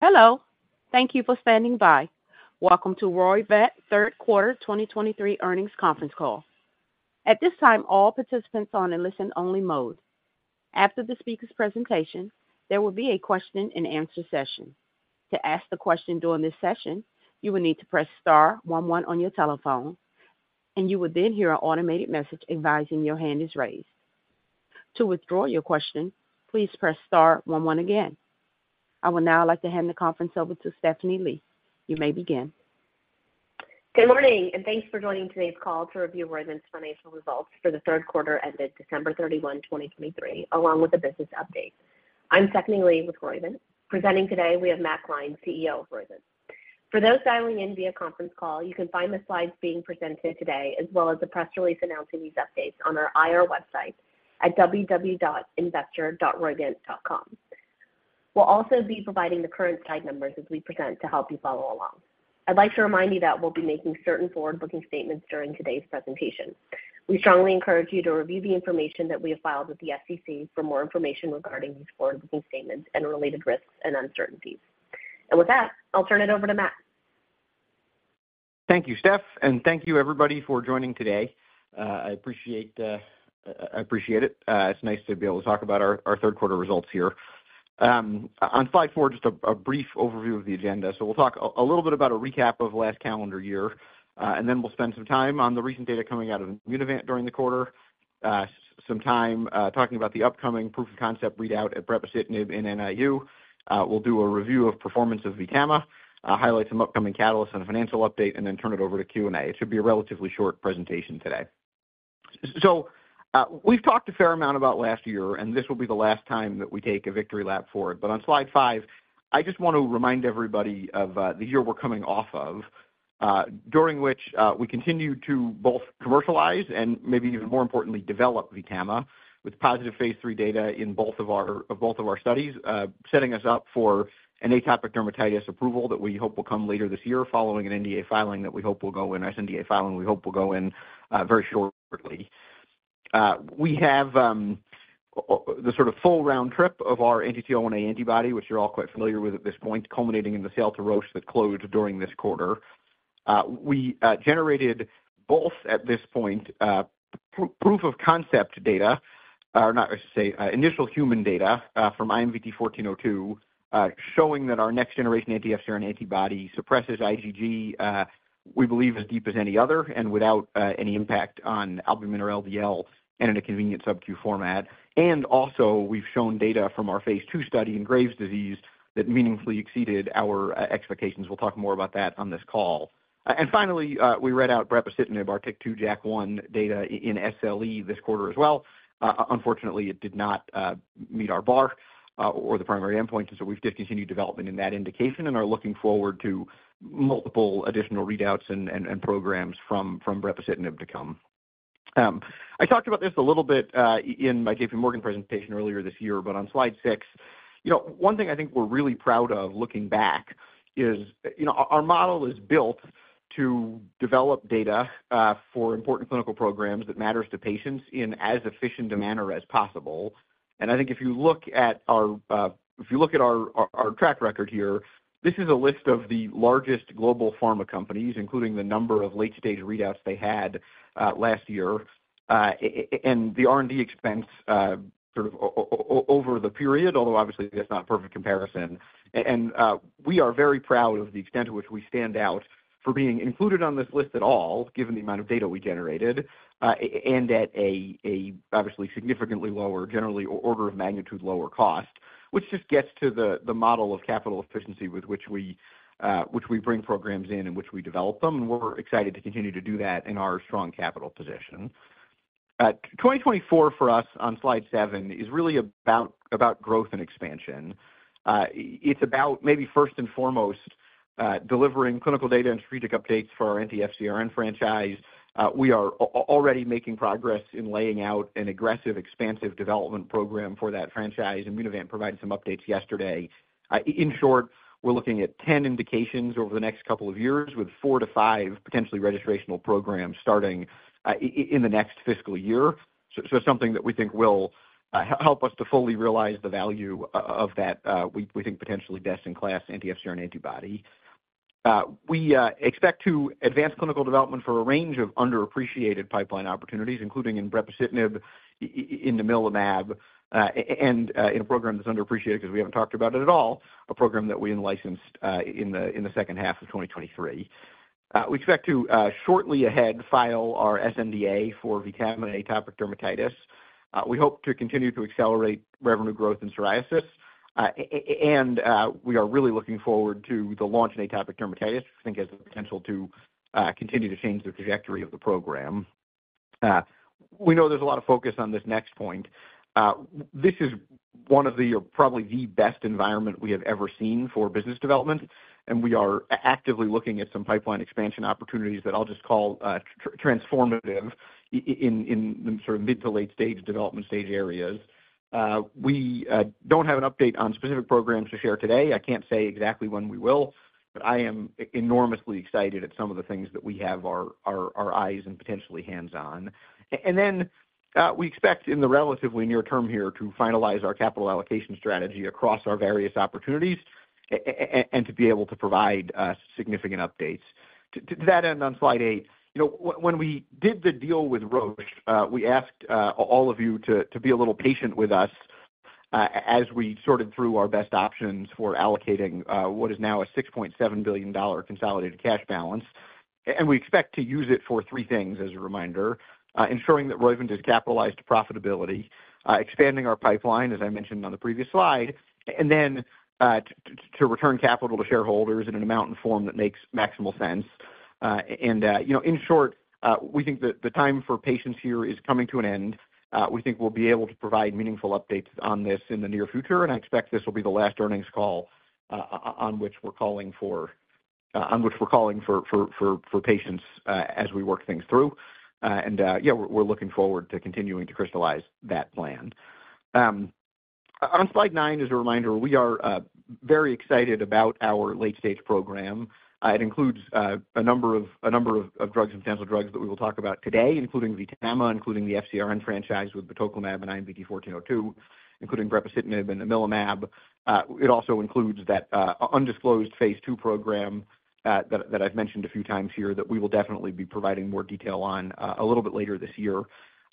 Hello. Thank you for standing by. Welcome to Roivant Third Quarter 2023 Earnings Conference Call. At this time, all participants are on a listen-only mode. After the speaker's presentation, there will be a question-and-answer session. To ask the question during this session, you will need to press star one one on your telephone, and you will then hear an automated message advising your hand is raised. To withdraw your question, please press star one one again. I would now like to hand the conference over to Stephanie Lee. You may begin. Good morning, and thanks for joining today's call to review Roivant's financial results for the third quarter ended December 31, 2023, along with a business update. I'm Stephanie Lee with Roivant. Presenting today, we have Matt Gline, CEO of Roivant. For those dialing in via conference call, you can find the slides being presented today, as well as the press release announcing these updates on our IR website at www.investor.roivant.com. We'll also be providing the current slide numbers as we present to help you follow along. I'd like to remind you that we'll be making certain forward-looking statements during today's presentation. We strongly encourage you to review the information that we have filed with the SEC for more information regarding these forward-looking statements and related risks and uncertainties. With that, I'll turn it over to Matt. Thank you, Steph, and thank you, everybody, for joining today. I appreciate, I appreciate it. It's nice to be able to talk about our, our third quarter results here. On slide four, just a brief overview of the agenda. So we'll talk a little bit about a recap of last calendar year, and then we'll spend some time on the recent data coming out of Immunovant during the quarter, some time, talking about the upcoming proof of concept readout at brepocitinib in NIU. We'll do a review of performance of VTAMA, highlight some upcoming catalysts and a financial update, and then turn it over to Q&A. It should be a relatively short presentation today. So, we've talked a fair amount about last year, and this will be the last time that we take a victory lap for it. But on slide five, I just want to remind everybody of the year we're coming off of, during which we continued to both commercialize and maybe even more importantly, develop VTAMA with positive phase III data in both of our studies, setting us up for an atopic dermatitis approval that we hope will come later this year, following an sNDA filing that we hope will go in very shortly. We have the sort of full round trip of our Anti-TL1A antibody, which you're all quite familiar with at this point, culminating in the sale to Roche that closed during this quarter. We generated both, at this point, proof-of-concept data, or not to say, initial human data, from IMVT-1402, showing that our next-generation anti-FcRn antibody suppresses IgG. We believe as deep as any other and without any impact on albumin or LDL and in a convenient subQ format. Also, we've shown data from our phase II study in Graves' disease that meaningfully exceeded our expectations. We'll talk more about that on this call. Finally, we read out brepocitinib, our TYK2/JAK1 data in SLE this quarter as well. Unfortunately, it did not meet our bar or the primary endpoint, and so we've discontinued development in that indication and are looking forward to multiple additional readouts and programs from brepocitinib to come. I talked about this a little bit, in my JPMorgan presentation earlier this year, but on slide six, you know, one thing I think we're really proud of looking back is, you know, our model is built to develop data for important clinical programs that matters to patients in as efficient a manner as possible. And I think if you look at our track record here, this is a list of the largest global pharma companies, including the number of late-stage readouts they had last year, and the R&D expense sort of over the period, although obviously, that's not a perfect comparison. We are very proud of the extent to which we stand out for being included on this list at all, given the amount of data we generated, and at a obviously significantly lower, generally order of magnitude, lower cost, which just gets to the model of capital efficiency with which we bring programs in and which we develop them. We're excited to continue to do that in our strong capital position. 2024 for us on slide seven is really about growth and expansion. It's about maybe first and foremost delivering clinical data and strategic updates for our anti-FcRn franchise. We are already making progress in laying out an aggressive, expansive development program for that franchise, and Immunovant provided some updates yesterday.In short, we're looking at 10 indications over the next couple of years, with 4-5 potentially registrational programs starting in the next fiscal year. So something that we think will help us to fully realize the value of that, we think, potentially best-in-class anti-FcRn antibody. We expect to advance clinical development for a range of underappreciated pipeline opportunities, including in brepocitinib, in namilumab, and in a program that's underappreciated because we haven't talked about it at all, a program that we in-licensed in the second half of 2023. We expect to shortly ahead file our sNDA for VTAMA atopic dermatitis. We hope to continue to accelerate revenue growth in psoriasis, and we are really looking forward to the launch in atopic dermatitis, which I think has the potential to continue to change the trajectory of the program. We know there's a lot of focus on this next point. This is one of the, or probably the best environment we have ever seen for business development, and we are actively looking at some pipeline expansion opportunities that I'll just call transformative in sort of mid to late stage development stage areas. We don't have an update on specific programs to share today. I can't say exactly when we will, but I am enormously excited at some of the things that we have our eyes and potentially hands on. And then we expect in the relatively near term here to finalize our capital allocation strategy across our various opportunities and to be able to provide significant updates. To that end, on slide eight, you know, when we did the deal with Roche, we asked all of you to be a little patient with us as we sorted through our best options for allocating what is now a $6.7 billion consolidated cash balance. And we expect to use it for three things, as a reminder: ensuring that Roivant is capitalized to profitability; expanding our pipeline, as I mentioned on the previous slide; and then to return capital to shareholders in an amount and form that makes maximal sense. And, you know, in short, we think that the time for patience here is coming to an end. We think we'll be able to provide meaningful updates on this in the near future, and I expect this will be the last earnings call on which we're calling for patience as we work things through. And, yeah, we're looking forward to continuing to crystallize that plan. On slide nine, as a reminder, we are very excited about our late-stage program. It includes a number of substantial drugs that we will talk about today, including VTAMA, including the FcRn franchise with batoclimab and IMVT-1402, including brepocitinib and namilumab. It also includes that undisclosed phase II program that I've mentioned a few times here, that we will definitely be providing more detail on a little bit later this year.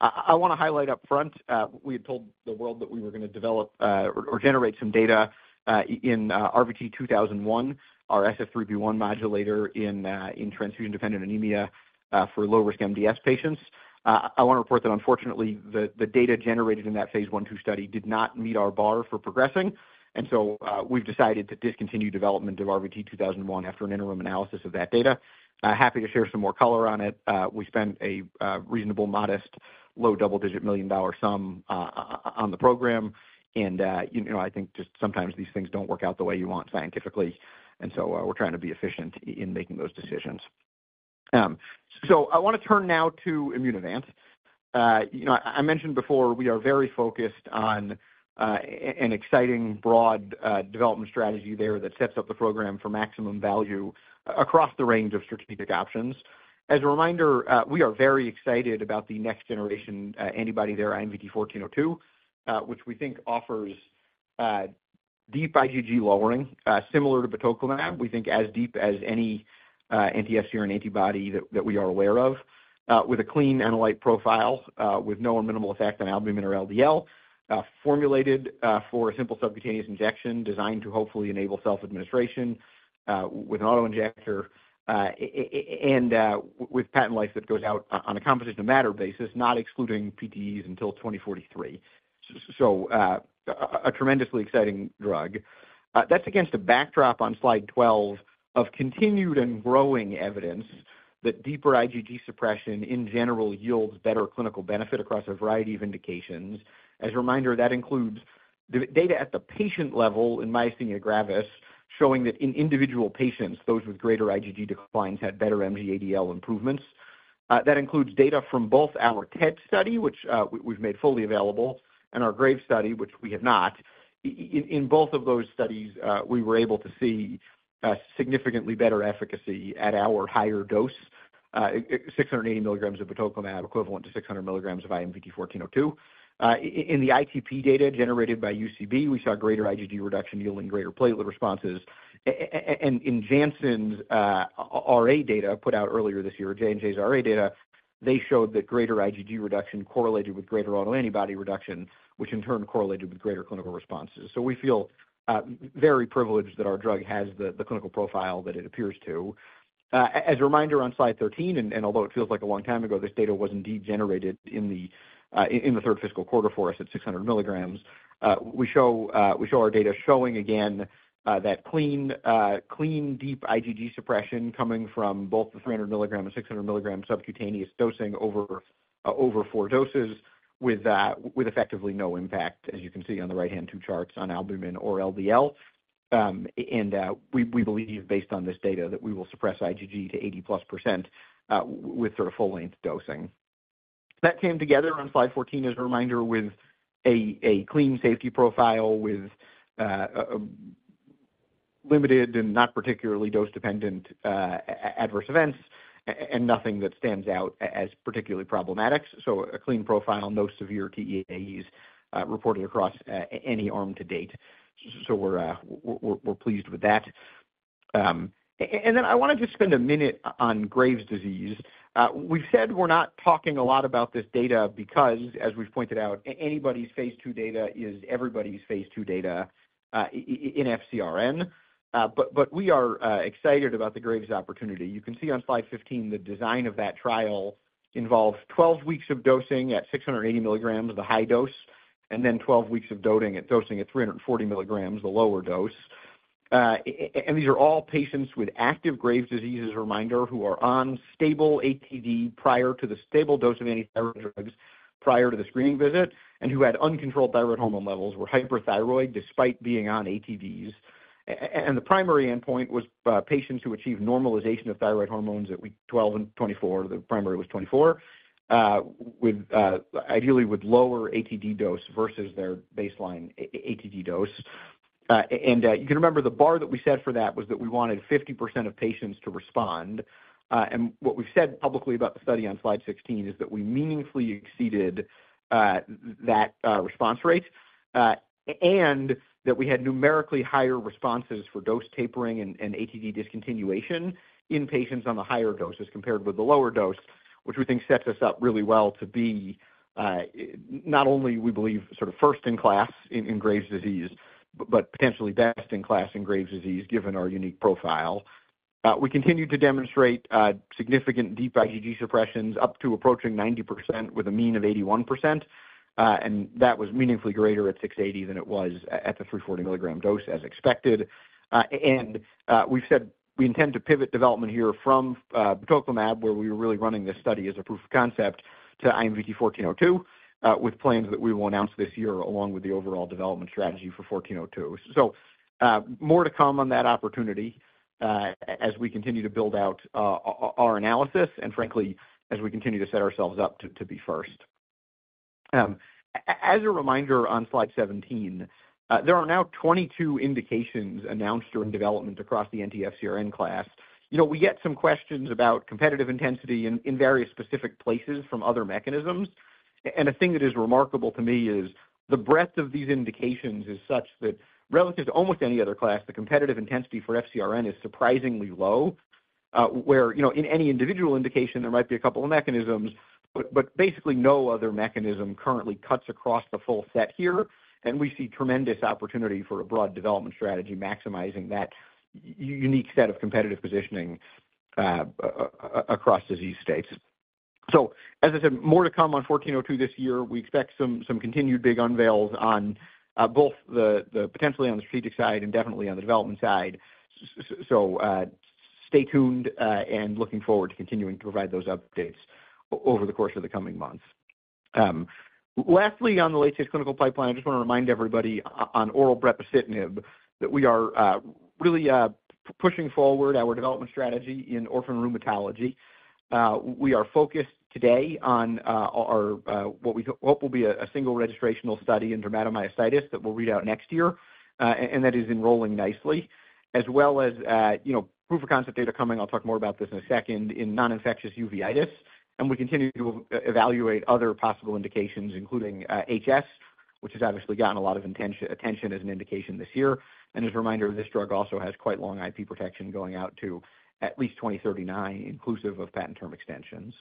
I wanna highlight up front, we had told the world that we were gonna develop or generate some data in RVT-2001, our SF3B1 modulator in transfusion-dependent anemia for low-risk MDS patients. I wanna report that unfortunately, the data generated in that phase I/II study did not meet our bar for progressing, and so we've decided to discontinue development of RVT-2001 after an interim analysis of that data. Happy to share some more color on it. We spent a reasonable, modest, low double-digit $ million sum on the program, and, you know, I think just sometimes these things don't work out the way you want scientifically, and so, we're trying to be efficient in making those decisions. So I wanna turn now to Immunovant. You know, I mentioned before, we are very focused on an exciting, broad development strategy there that sets up the program for maximum value across the range of strategic options. As a reminder, we are very excited about the next generation antibody there, IMVT-1402, which we think offers deep IgG lowering, similar to batoclimab. We think as deep as any anti-FcRn antibody that we are aware of, with a clean safety profile, with no or minimal effect on albumin or LDL.Formulated for a simple subcutaneous injection, designed to hopefully enable self-administration with an auto-injector, and with patent life that goes out on a composition of matter basis, not excluding PTEs until 2043. So, a tremendously exciting drug. That's against a backdrop on slide 12 of continued and growing evidence that deeper IgG suppression in general yields better clinical benefit across a variety of indications. As a reminder, that includes the data at the patient level in myasthenia gravis, showing that in individual patients, those with greater IgG declines had better MG ADL improvements. That includes data from both our TED study, which we've made fully available, and our Graves' study, which we have not. In both of those studies, we were able to see significantly better efficacy at our higher dose, 680 milligrams of batoclimab, equivalent to 60mg of IMVT-1402. In the ITP data generated by UCB, we saw greater IgG reduction yielding greater platelet responses. And in Janssen's RA data put out earlier this year, J&J's RA data, they showed that greater IgG reduction correlated with greater autoantibody reduction, which in turn correlated with greater clinical responses. So we feel very privileged that our drug has the clinical profile that it appears to. As a reminder, on slide 13, although it feels like a long time ago, this data was indeed generated in the third fiscal quarter for us at 600mg.We show our data showing again that clean, deep IgG suppression coming from both the 30mg and 600mg subcutaneous dosing over four doses, with effectively no impact, as you can see on the right-hand two charts, on albumin or LDL. And we believe, based on this data, that we will suppress IgG to 80%+ with sort of full-length dosing. That came together on slide 14, as a reminder, with a clean safety profile, with limited and not particularly dose-dependent adverse events, and nothing that stands out as particularly problematic. So a clean profile, no severe TEAEs reported across any arm to date. So we're pleased with that. And then I wanna just spend a minute on Graves' disease. We've said we're not talking a lot about this data because, as we've pointed out, anybody's Phase II data is everybody's Phase II data in FcRn. But we are excited about the Graves' disease opportunity. You can see on slide 15, the design of that trial involves 12 weeks of dosing at 680mg of the high dose, and then 12 weeks of dosing at 340mg, the lower dose. And these are all patients with active Graves' disease, as a reminder, who are on stable ATD prior to the stable dose of antithyroid drugs prior to the screening visit, and who had uncontrolled thyroid hormone levels, were hyperthyroid, despite being on ATDs. And the primary endpoint was patients who achieved normalization of thyroid hormones at week 12 and 24, the primary was 24, with ideally lower ATD dose versus their baseline ATD dose. And you can remember the bar that we set for that was that we wanted 50% of patients to respond. And what we've said publicly about the study on slide 16 is that we meaningfully exceeded that response rate, and that we had numerically higher responses for dose tapering and ATD discontinuation in patients on the higher doses compared with the lower dose, which we think sets us up really well to be, not only we believe, sort of first in class in Graves' disease, but potentially best in class in Graves' disease, given our unique profile. We continued to demonstrate significant deep IgG suppressions up to approaching 90% with a mean of 81%, and that was meaningfully greater at 680 than it was at the 340mg dose as expected. And we've said we intend to pivot development here from tocilizumab, where we were really running this study as a proof of concept to IMVT-1402, with plans that we will announce this year, along with the overall development strategy for 1402. So, more to come on that opportunity, as we continue to build out our analysis and frankly, as we continue to set ourselves up to be first. As a reminder on slide 17, there are now 22 indications announced during development across the anti-FcRn class. You know, we get some questions about competitive intensity in various specific places from other mechanisms, and the thing that is remarkable to me is the breadth of these indications is such that relative to almost any other class, the competitive intensity for FcRn is surprisingly low, where, you know, in any individual indication there might be a couple of mechanisms, but basically no other mechanism currently cuts across the full set here. And we see tremendous opportunity for a broad development strategy, maximizing that unique set of competitive positioning, across disease states. So as I said, more to come on 1402 this year. We expect some continued big unveils on both the potentially on the strategic side and definitely on the development side. So, stay tuned, and looking forward to continuing to provide those updates over the course of the coming months. Lastly, on the late-stage clinical pipeline, I just want to remind everybody on oral brepocitinib, that we are really pushing forward our development strategy in orphan rheumatology. We are focused today on our what will be a single registrational study in dermatomyositis that we'll read out next year, and that is enrolling nicely, as well as you know, proof of concept data coming, I'll talk more about this in a second, in non-infectious uveitis. And we continue to evaluate other possible indications, including HS, which has obviously gotten a lot of attention as an indication this year. And as a reminder, this drug also has quite long IP protection going out to at least 2039, inclusive of patent term extensions.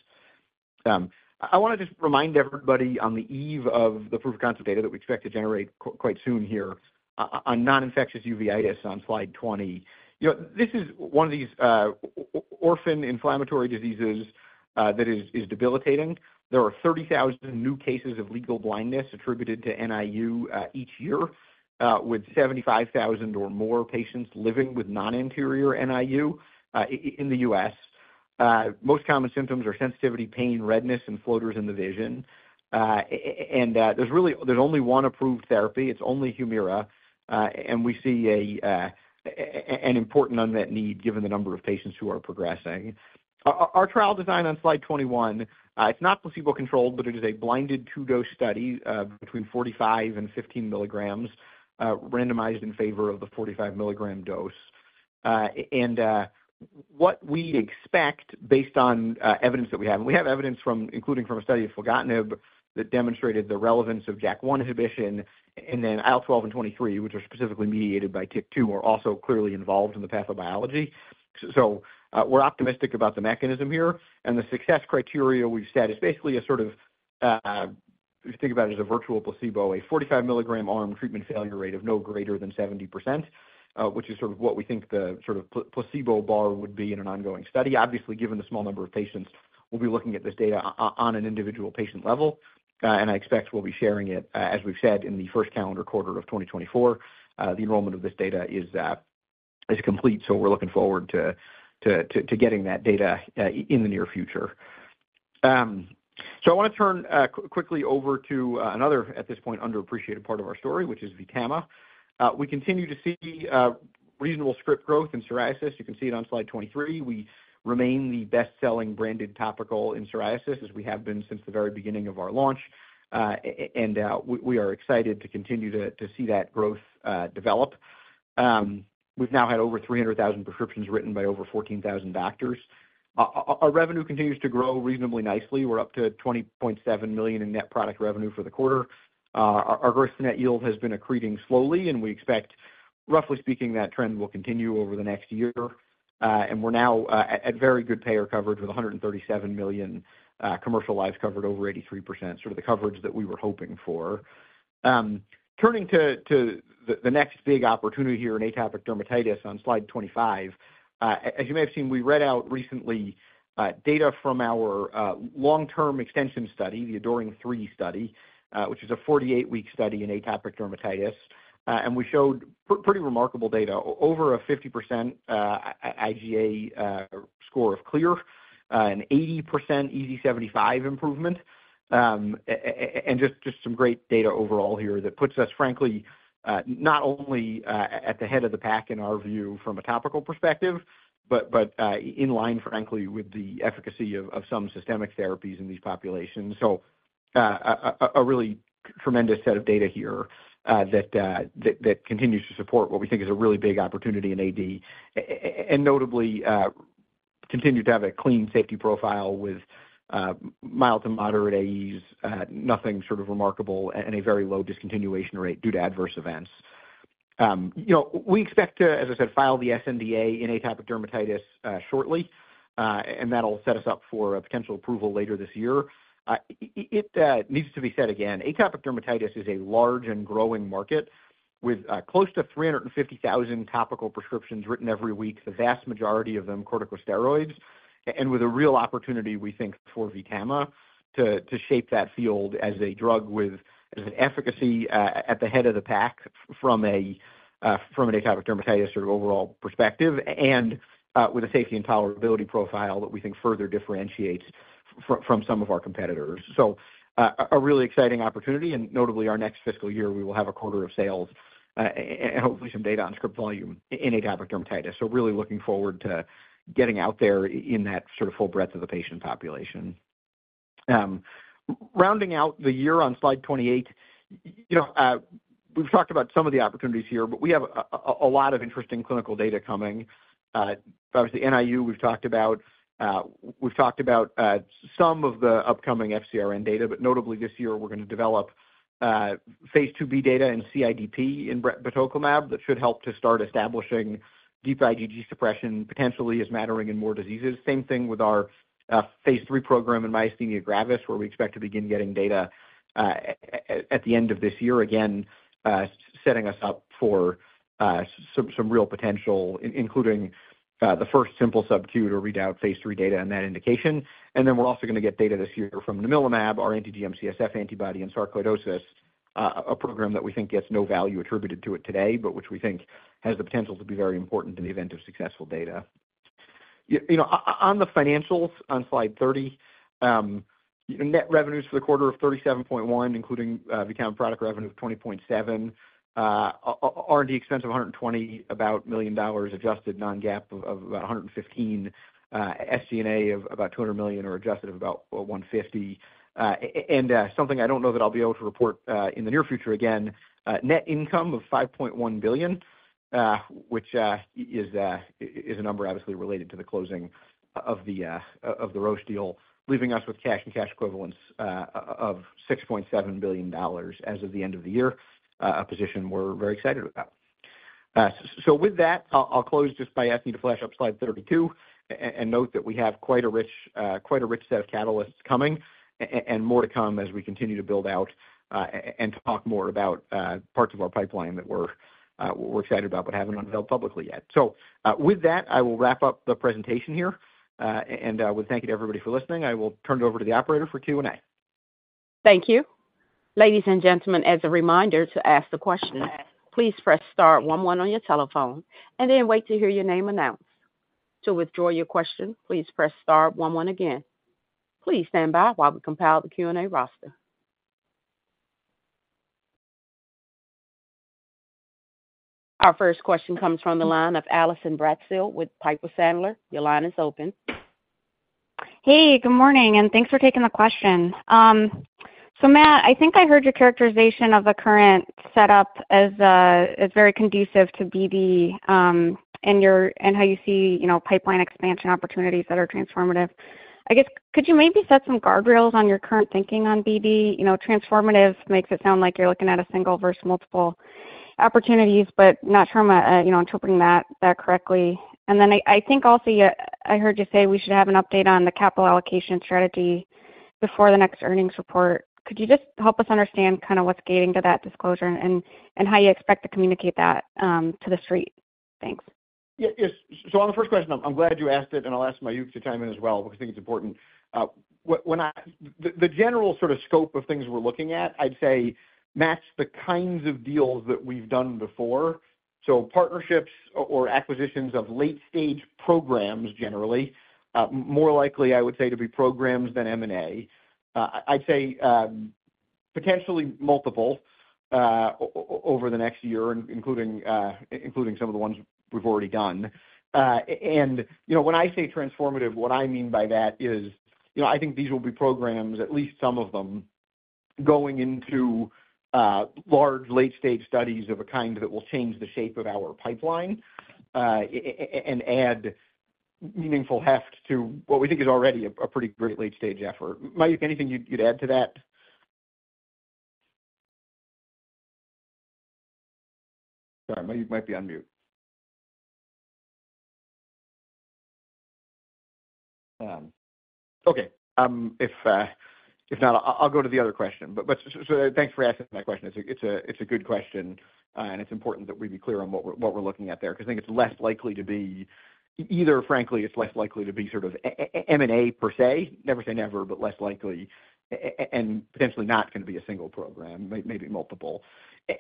I want to just remind everybody on the eve of the proof of concept data that we expect to generate quite soon here on non-infectious uveitis on slide 20. You know, this is one of these orphan inflammatory diseases that is debilitating. There are 30,000 new cases of legal blindness attributed to NIU each year with 75,000 or more patients living with non-anterior NIU in the U.S. Most common symptoms are sensitivity, pain, redness, and floaters in the vision. And there's really only one approved therapy. It's only Humira, and we see an important unmet need given the number of patients who are progressing. Our trial design on slide 21, it's not placebo-controlled, but it is a blinded two-dose study between 45mg and 15mg, randomized in favor of the 45mg dose. And what we expect based on evidence that we have, and we have evidence from, including from a study of filgotinib, that demonstrated the relevance of JAK1 inhibition and then IL-12 and 23, which are specifically mediated by TYK2, are also clearly involved in the pathobiology. So, we're optimistic about the mechanism here, and the success criteria we've set is basically a sort of if you think about it as a virtual placebo, a 45mg arm treatment failure rate of no greater than 70%, which is sort of what we think the sort of placebo bar would be in an ongoing study. Obviously, given the small number of patients, we'll be looking at this data on an individual patient level, and I expect we'll be sharing it, as we've said, in the first calendar quarter of 2024. The enrollment of this data is complete, so we're looking forward to getting that data in the near future. So I want to turn quickly over to another, at this point, underappreciated part of our story, which is VTAMA. We continue to see reasonable script growth in psoriasis. You can see it on slide 23. We remain the best-selling branded topical in psoriasis, as we have been since the very beginning of our launch. And we are excited to continue to see that growth develop. We've now had over 300,000 prescriptions written by over 14,000 doctors. Our revenue continues to grow reasonably nicely. We're up to $20.7 million in net product revenue for the quarter. Our gross-to-net yield has been accreting slowly, and we expect, roughly speaking, that trend will continue over the next year. And we're now at very good payer coverage with 137 million commercial lives covered, over 83%, sort of the coverage that we were hoping for. Turning to the next big opportunity here in atopic dermatitis on slide 25. As you may have seen, we read out recently data from our long-term extension study, the ADORING 3 study, which is a 48-week study in atopic dermatitis. And we showed pretty remarkable data, over 50%, IGA score of clear, an 80% EASI-75 improvement. And just some great data overall here that puts us frankly not only at the head of the pack, in our view, from a topical perspective, but in line, frankly, with the efficacy of some systemic therapies in these populations. A really tremendous set of data here that continues to support what we think is a really big opportunity in AD. And notably, continue to have a clean safety profile with mild to moderate AEs, nothing sort of remarkable and a very low discontinuation rate due to adverse events. You know, we expect to, as I said, file the sNDA in atopic dermatitis shortly, and that'll set us up for a potential approval later this year. It needs to be said again, atopic dermatitis is a large and growing market with close to 350,000 topical prescriptions written every week, the vast majority of them corticosteroids, and with a real opportunity, we think, for VTAMA to shape that field as a drug with, as an efficacy, at the head of the pack from a, from an atopic dermatitis sort of overall perspective, and with a safety and tolerability profile that we think further differentiates from some of our competitors. So, a really exciting opportunity, and notably our next fiscal year, we will have a quarter of sales, and hopefully some data on script volume in atopic dermatitis. So really looking forward to getting out there in that sort of full breadth of the patient population. Rounding out the year on slide 28, you know, we've talked about some of the opportunities here, but we have a lot of interesting clinical data coming. Obviously, NIU, we've talked about. We've talked about some of the upcoming FcRn data, but notably this year, we're going to develop phase IIB data in CIDP in batoclimab. That should help to start establishing deep IgG suppression, potentially as mattering in more diseases. Same thing with our phase III program in myasthenia gravis, where we expect to begin getting data at the end of this year, again setting us up for some real potential, including the first simple subcutaneous readout phase III data on that indication. And then we're also going to get data this year from Namilumab, our anti-GM-CSF antibody and sarcoidosis, a program that we think gets no value attributed to it today, but which we think has the potential to be very important in the event of successful data. You know, on the financials, on slide 30, net revenues for the quarter of $37.1 million, including VTAMA product revenue of $20.7 million. R&D expense of $120 million, adjusted non-GAAP of about $115 million, SG&A of about $200 million, or adjusted of about $150 million. And something I don't know that I'll be able to report in the near future again, net income of $5.1 billion, which is a number obviously related to the closing of the Roche deal, leaving us with cash and cash equivalents of $6.7 billion as of the end of the year, a position we're very excited about. So with that, I'll close just by asking to flash up slide 32 and note that we have quite a rich, quite a rich set of catalysts coming and more to come as we continue to build out and talk more about parts of our pipeline that we're, we're excited about, but haven't unveiled publicly yet. So, with that, I will wrap up the presentation here and would thank you to everybody for listening. I will turn it over to the operator for Q&A. Thank you. Ladies and gentlemen, as a reminder to ask the question, please press star one one on your telephone and then wait to hear your name announced. To withdraw your question, please press star one one again. Please stand by while we compile the Q&A roster. Our first question comes from the line of Allison Bratzel with Piper Sandler. Your line is open. Hey, good morning, and thanks for taking the question. So Matt, I think I heard your characterization of the current setup as very conducive to BD, and how you see, you know, pipeline expansion opportunities that are transformative. I guess, could you maybe set some guardrails on your current thinking on BD? You know, transformative makes it sound like you're looking at a single versus multiple opportunities, but not sure I'm, you know, interpreting that correctly. And then I think also I heard you say we should have an update on the capital allocation strategy before the next earnings report. Could you just help us understand kind of what's getting to that disclosure and how you expect to communicate that to the street? Thanks. Yeah, yes. So on the first question, I'm glad you asked it, and I'll ask Mayukh to chime in as well, because I think it's important. When I... The general sort of scope of things we're looking at, I'd say match the kinds of deals that we've done before. So partnerships or acquisitions of late-stage programs, generally, more likely, I would say, to be programs than M&A. I'd say, potentially multiple, over the next year, including, including some of the ones we've already done. And, you know, when I say transformative, what I mean by that is, you know, I think these will be programs, at least some of them, going into large, late-stage studies of a kind that will change the shape of our pipeline, and add meaningful heft to what we think is already a pretty great late-stage effort. Mayukh, anything you'd add to that? Sorry, Mayukh might be on mute. Okay. If not, I'll go to the other question, but so thanks for asking that question. It's a good question, and it's important that we be clear on what we're looking at there, because I think it's less likely to be either, frankly, it's less likely to be sort of M&A per se. Never say never, but less likely, and potentially not going to be a single program, maybe multiple.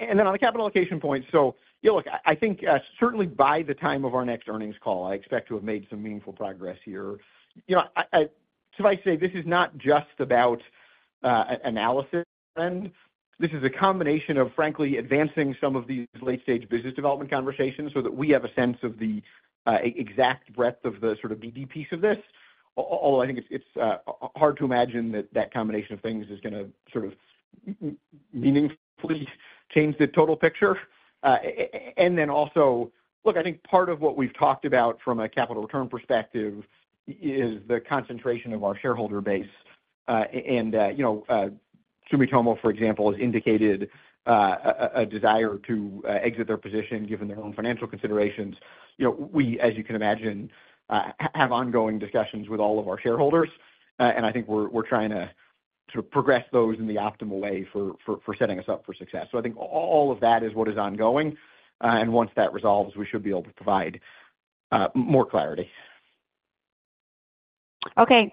And then on the capital allocation point, so you look, I think certainly by the time of our next earnings call, I expect to have made some meaningful progress here. You know, suffice to say, this is not just about analysis then. This is a combination of frankly advancing some of these late-stage business development conversations so that we have a sense of the exact breadth of the sort of BD piece of this. All, I think it's hard to imagine that that combination of things is gonna sort of meaningfully change the total picture. And then also, look, I think part of what we've talked about from a capital return perspective is the concentration of our shareholder base. And, you know, Sumitomo, for example, has indicated a desire to exit their position given their own financial considerations. You know, we, as you can imagine, have ongoing discussions with all of our shareholders, and I think we're trying to sort of progress those in the optimal way for setting us up for success. So I think all of that is what is ongoing, and once that resolves, we should be able to provide more clarity. Okay.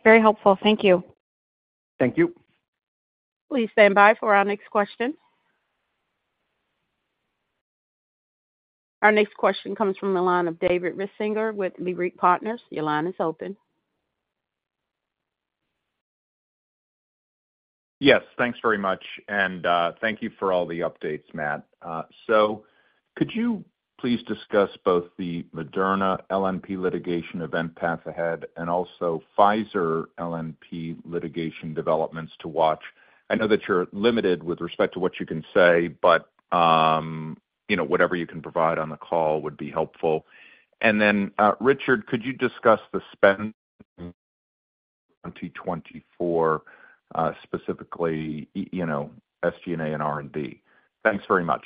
Very helpful. Thank you. Thank you. Please stand by for our next question. Our next question comes from the line of David Risinger with Leerink Partners. Your line is open. Yes, thanks very much, and thank you for all the updates, Matt. So could you please discuss both the Moderna LNP litigation event path ahead and also Pfizer LNP litigation developments to watch? I know that you're limited with respect to what you can say, but you know, whatever you can provide on the call would be helpful. And then, Richard, could you discuss the spend on FY2024, specifically, you know, SG&A and R&D? Thanks very much.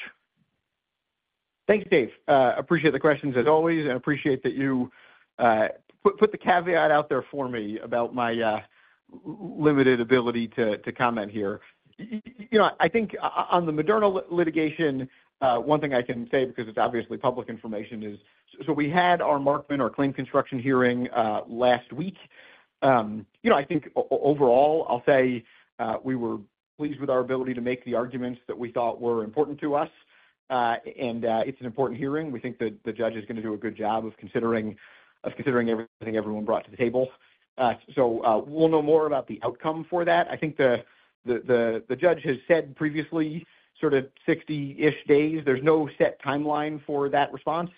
Thanks, Dave. Appreciate the questions as always, and appreciate that you put the caveat out there for me about my limited ability to comment here. You know, I think on the Moderna litigation, one thing I can say, because it's obviously public information, is so we had our Markman, our claim construction hearing, last week. You know, I think overall, I'll say, we were pleased with our ability to make the arguments that we thought were important to us, and it's an important hearing. We think that the judge is gonna do a good job of considering everything everyone brought to the table. So, we'll know more about the outcome for that. I think the judge has said previously, sort of 60-ish days, there's no set timeline for that response.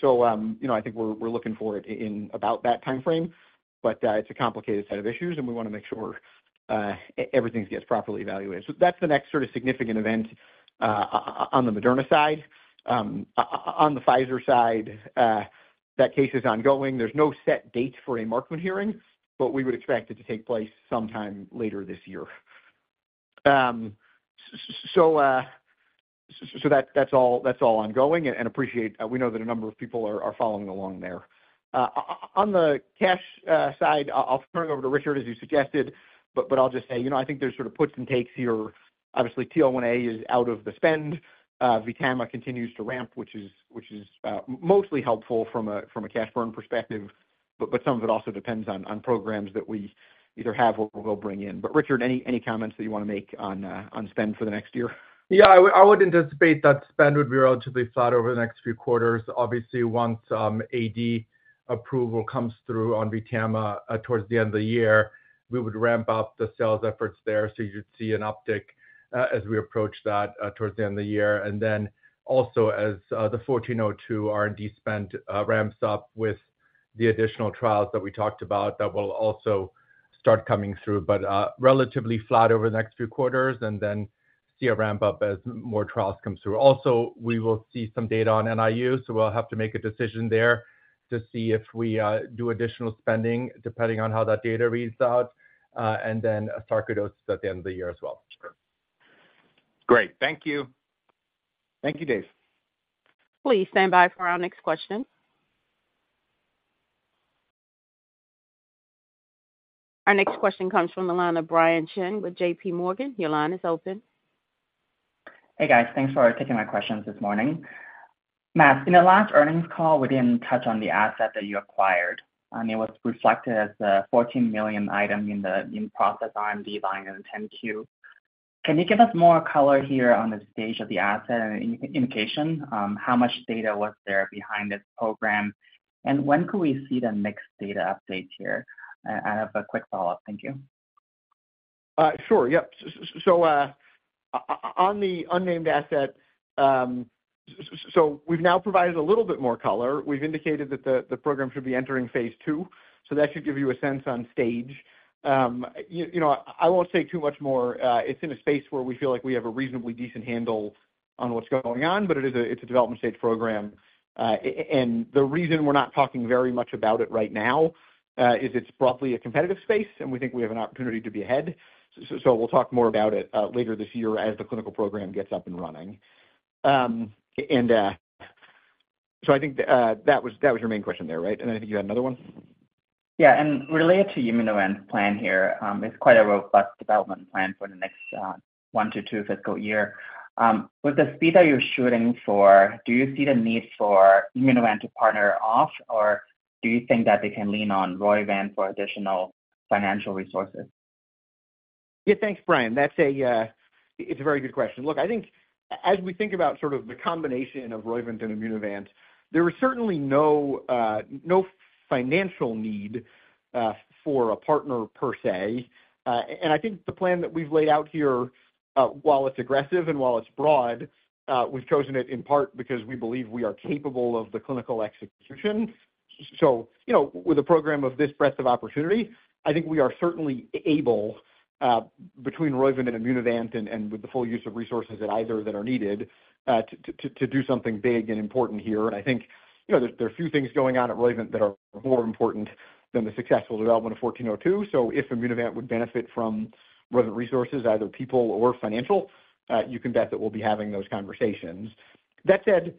So, you know, I think we're looking for it in about that time frame, but it's a complicated set of issues, and we want to make sure everything gets properly evaluated. So that's the next sort of significant event on the Moderna side. On the Pfizer side, that case is ongoing. There's no set date for a Markman hearing, but we would expect it to take place sometime later this year. So that's all, that's all ongoing, and we appreciate. We know that a number of people are following along there. On the cash side, I'll turn it over to Richard, as you suggested, but I'll just say, you know, I think there's sort of puts and takes here. Obviously, TL1A is out of the spend. VTAMA continues to ramp, which is mostly helpful from a cash burn perspective, but some of it also depends on programs that we either have or we'll bring in. But Richard, any comments that you want to make on spend for the next year? Yeah, I would, I would anticipate that spend would be relatively flat over the next few quarters. Obviously, once AD approval comes through on VTAMA, towards the end of the year, we would ramp up the sales efforts there, so you'd see an uptick, as we approach that, towards the end of the year. And then also, as the IMVT-1402 R&D spend ramps up with the additional trials that we talked about, that will also start coming through, but relatively flat over the next few quarters and then see a ramp-up as more trials come through. Also, we will see some data on NIU, so we'll have to make a decision there to see if we do additional spending, depending on how that data reads out, and then sarcoidosis at the end of the year as well. Sure. Great. Thank you. Thank you, Dave. Please stand by for our next question. Our next question comes from the line of Brian Cheng with JPMorgan. Your line is open. Hey, guys. Thanks for taking my questions this morning. Matt, in the last earnings call, we didn't touch on the asset that you acquired, and it was reflected as the $14 million item in the in-process R&D line in the 10-Q. Can you give us more color here on the stage of the asset and any indication on how much data was there behind this program? And when could we see the next data update here? I have a quick follow-up. Thank you. Sure. Yep. So, on the unnamed asset, so we've now provided a little bit more color. We've indicated that the program should be entering phase II, so that should give you a sense on stage. You know, I won't say too much more. It's in a space where we feel like we have a reasonably decent handle on what's going on, but it is a development stage program. And the reason we're not talking very much about it right now is it's broadly a competitive space, and we think we have an opportunity to be ahead. So we'll talk more about it later this year as the clinical program gets up and running. So I think that was your main question there, right? And I think you had another one. Yeah, and related to Immunovant's plan here, it's quite a robust development plan for the next, one to two fiscal year. With the speed that you're shooting for, do you see the need for Immunovant to partner off, or do you think that they can lean on Roivant for additional financial resources? Yeah, thanks, Brian. That's a very good question. Look, I think as we think about sort of the combination of Roivant and Immunovant, there is certainly no financial need for a partner per se. And I think the plan that we've laid out here, while it's aggressive and while it's broad, we've chosen it in part because we believe we are capable of the clinical execution. So, you know, with a program of this breadth of opportunity, I think we are certainly able, between Roivant and Immunovant and with the full use of resources at either that are needed, to do something big and important here. And I think, you know, there are a few things going on at Roivant that are more important than the successful development of 1402.So if Immunovant would benefit from Roivant resources, either people or financial, you can bet that we'll be having those conversations. That said,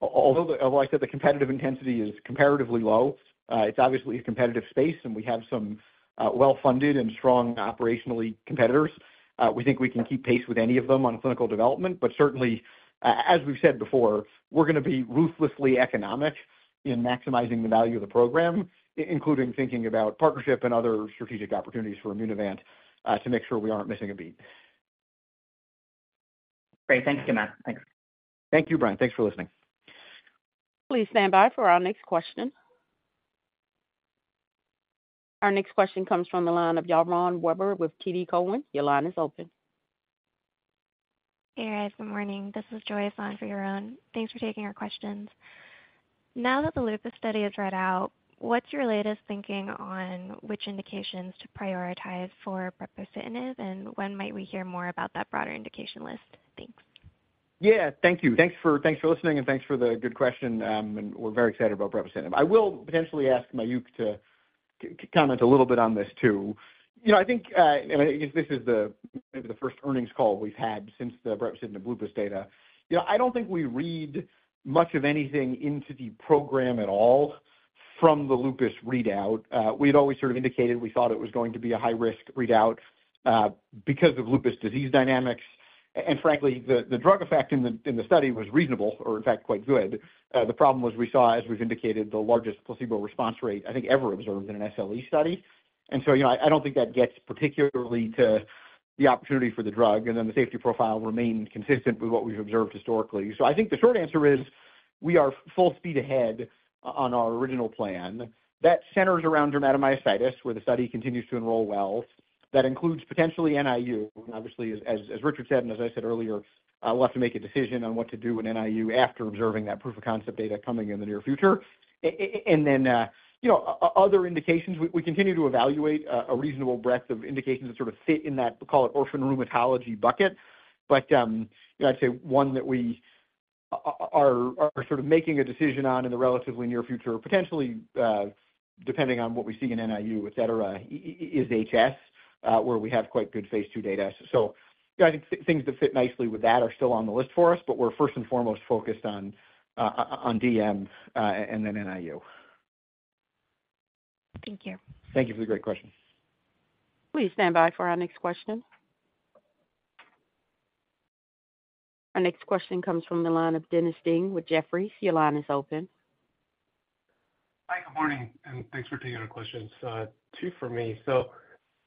although, like I said, the competitive intensity is comparatively low, it's obviously a competitive space, and we have some well-funded and strong operationally competitors. We think we can keep pace with any of them on clinical development, but certainly, as we've said before, we're going to be ruthlessly economic in maximizing the value of the program, including thinking about partnership and other strategic opportunities for Immunovant, to make sure we aren't missing a beat. Great. Thank you, Matt. Thanks. Thank you, Brian. Thanks for listening. Please stand by for our next question. Our next question comes from the line of Yaron Werber with TD Cowen. Your line is open. Hey, guys. Good morning. This is Joyce on for Yaron. Thanks for taking our questions. Now that the lupus study is read out, what's your latest thinking on which indications to prioritize for brepocitinib, and when might we hear more about that broader indication list? Thanks. Yeah, thank you. Thanks for, thanks for listening, and thanks for the good question. And we're very excited about brepocitinib. I will potentially ask Mayukh to comment a little bit on this, too. You know, I think, and I guess this is the, maybe the first earnings call we've had since the brepocitinib lupus data. You know, I don't think we read much of anything into the program at all from the lupus readout. We had always sort of indicated we thought it was going to be a high-risk readout, because of lupus disease dynamics. And frankly, the drug effect in the study was reasonable, or in fact, quite good. The problem was we saw, as we've indicated, the largest placebo response rate, I think, ever observed in an SLE study. And so, you know, I don't think that gets particularly to the opportunity for the drug, and then the safety profile remained consistent with what we've observed historically. So I think the short answer is, we are full speed ahead on our original plan. That centers around dermatomyositis, where the study continues to enroll well. That includes potentially NIU, and obviously, as Richard said, and as I said earlier, we'll have to make a decision on what to do with NIU after observing that proof of concept data coming in the near future. And then, you know, other indications, we continue to evaluate a reasonable breadth of indications that sort of fit in that, we call it orphan rheumatology bucket. But, you know, I'd say one that we are sort of making a decision on in the relatively near future, potentially, depending on what we see in NIU, et cetera, is HS, where we have quite good phase II data. So I think things that fit nicely with that are still on the list for us, but we're first and foremost focused on, on DM, and then NIU. Thank you. Thank you for the great question. Please stand by for our next question. Our next question comes from the line of Dennis Ding with Jefferies. Your line is open. Hi, good morning, and thanks for taking our questions. Two for me. So,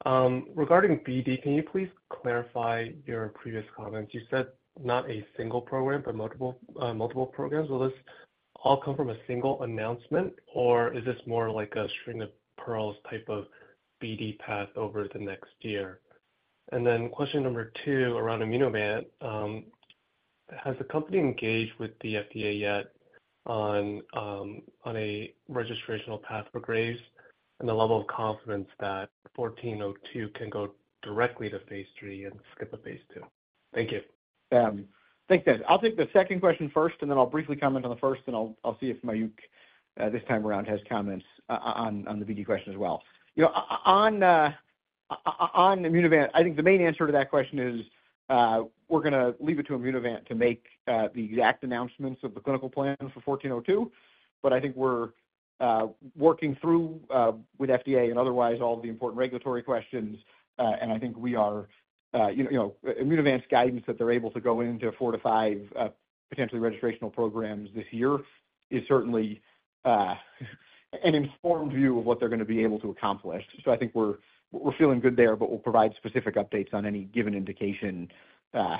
regarding BD, can you please clarify your previous comments? You said not a single program, but multiple, multiple programs. Will this all come from a single announcement, or is this more like a string of pearls type of BD path over the next year? And then question number two, around Immunovant: Has the company engaged with the FDA yet on, on a registrational path for Graves', and the level of confidence that 1402 can go directly to phase III and skip a phase II? Thank you. Thanks, Dennis. I'll take the second question first, and then I'll briefly comment on the first, and I'll see if Mayukh this time around has comments on the BD question as well. You know, on Immunovant, I think the main answer to that question is, we're gonna leave it to Immunovant to make the exact announcements of the clinical plan for 1402. But I think we're working through with FDA and otherwise all the important regulatory questions, and I think we are, you know, Immunovant's guidance that they're able to go into 4-5 potentially registrational programs this year is certainly an informed view of what they're going to be able to accomplish. So I think we're feeling good there, but we'll provide specific updates on any given indication as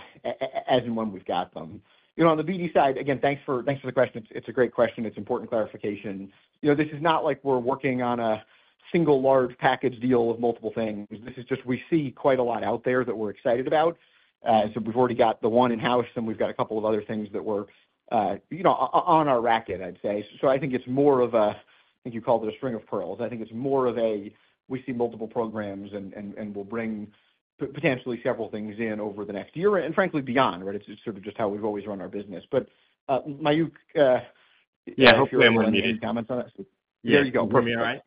and when we've got them. You know, on the BD side, again, thanks for the question. It's a great question. It's important clarification. You know, this is not like we're working on a single large package deal of multiple things. This is just we see quite a lot out there that we're excited about. So we've already got the one in-house, and we've got a couple of other things that we're you know on our racket, I'd say. So I think it's more of a, I think you called it a string of pearls. I think it's more of a, we see multiple programs and we'll bring potentially several things in over the next year and frankly, beyond, right? It's sort of just how we've always run our business. But, Mayukh, I hope you want to make any comments on it. Yeah. There you go. You hear me all right?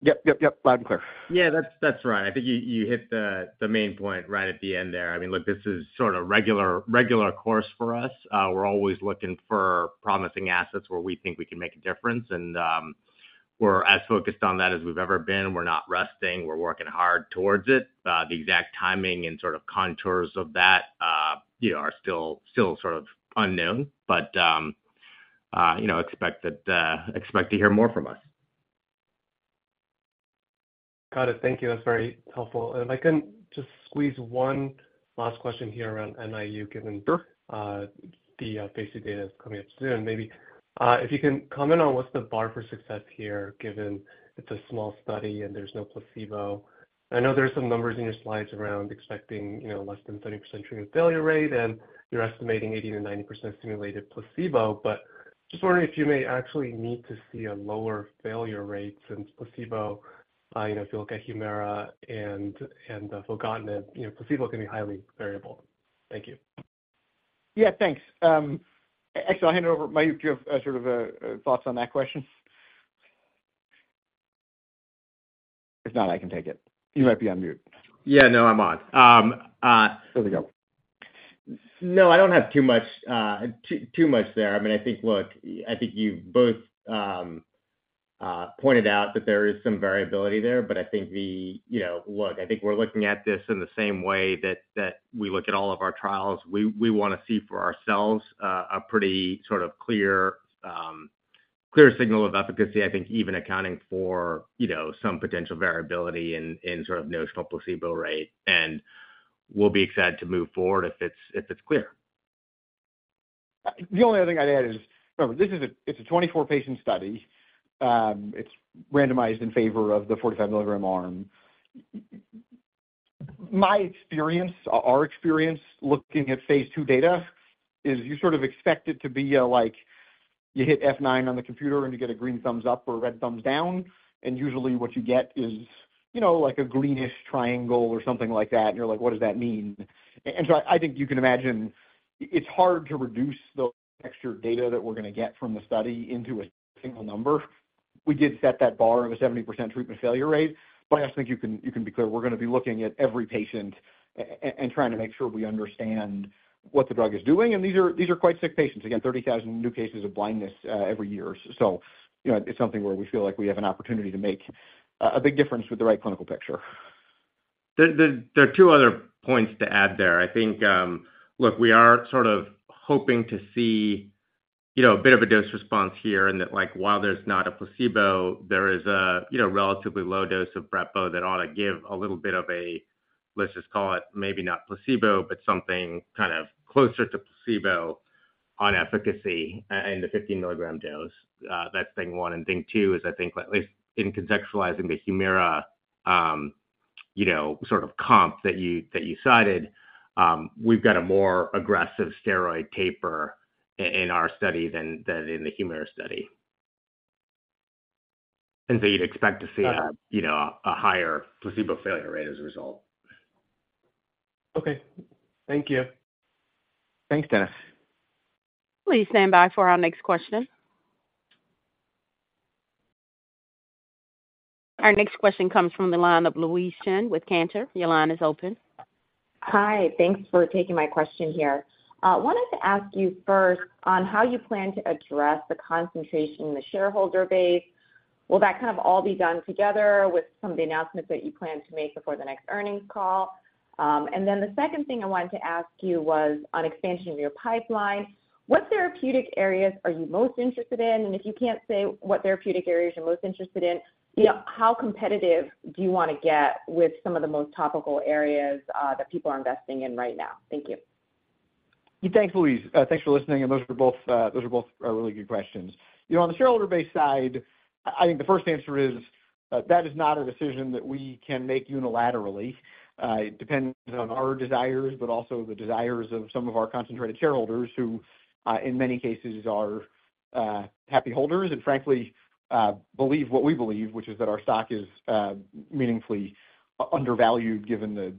Yep, yep, yep, loud and clear. Yeah, that's right. I think you hit the main point right at the end there. I mean, look, this is sort of regular course for us. We're always looking for promising assets where we think we can make a difference, and we're as focused on that as we've ever been. We're not resting. We're working hard towards it. The exact timing and sort of contours of that, you know, are still sort of unknown, but, you know, expect that, expect to hear more from us. Got it. Thank you. That's very helpful. If I can just squeeze one last question here around NIU, given- Sure The basic data is coming up soon. Maybe if you can comment on what's the bar for success here, given it's a small study and there's no placebo. I know there are some numbers in your slides around expecting, you know, less than 30% treatment failure rate, and you're estimating 80%-90% simulated placebo, but just wondering if you may actually need to see a lower failure rate since placebo, you know, if you look at Humira and the filgotinib, you know, placebo can be highly variable. Thank you. Yeah, thanks. Actually, I'll hand it over. Mayukh, do you have sort of thoughts on that question? If not, I can take it. You might be on mute. Yeah, no, I'm on. There we go. No, I don't have too much, too much there. I mean, I think, look, I think you both pointed out that there is some variability there, but I think the, you know. Look, I think we're looking at this in the same way that we look at all of our trials. We want to see for ourselves a pretty sort of clear, clear signal of efficacy, I think even accounting for, you know, some potential variability in sort of notional placebo rate. And we'll be excited to move forward if it's clear. The only other thing I'd add is, remember, this is a 24-patient study. It's randomized in favor of the 45mg arm. My experience, our experience looking at phase II data is you sort of expect it to be, like, you hit F9 on the computer, and you get a green thumbs up or a red thumbs down, and usually what you get is, you know, like a greenish triangle or something like that, and you're like, "What does that mean?" And so I think you can imagine it's hard to reduce the extra data that we're going to get from the study into a single number. We did set that bar of a 70% treatment failure rate, but I also think you can be clear, we're going to be looking at every patient and trying to make sure we understand what the drug is doing. And these are quite sick patients. Again, 30,000 new cases of blindness every year. So, you know, it's something where we feel like we have an opportunity to make a big difference with the right clinical picture. There are two other points to add there. I think, look, we are sort of hoping to see, you know, a bit of a dose response here, and that, like, while there's not a placebo, there is a, you know, relatively low dose of brepo that ought to give a little bit of a, let's just call it, maybe not placebo, but something kind of closer to placebo on efficacy in the 15mg dose. That's thing one. And thing two is, I think, at least in contextualizing the Humira, you know, sort of comp that you, that you cited, we've got a more aggressive steroid taper in our study than, than in the Humira study. And so you'd expect to see a, you know, a higher placebo failure rate as a result. Okay. Thank you. Thanks, Dennis. Please stand by for our next question. Our next question comes from the line of Louise Chen with Cantor. Your line is open. Hi. Thanks for taking my question here. Wanted to ask you first on how you plan to address the concentration in the shareholder base. Will that kind of all be done together with some of the announcements that you plan to make before the next earnings call? And then the second thing I wanted to ask you was on expansion of your pipeline. What therapeutic areas are you most interested in? And if you can't say what therapeutic areas you're most interested in, you know, how competitive do you want to get with some of the most topical areas that people are investing in right now? Thank you. Thanks, Louise. Thanks for listening, and those are both really good questions. You know, on the shareholder base side, I think the first answer is that is not a decision that we can make unilaterally. It depends on our desires, but also the desires of some of our concentrated shareholders, who in many cases are happy holders and frankly believe what we believe, which is that our stock is meaningfully undervalued, given the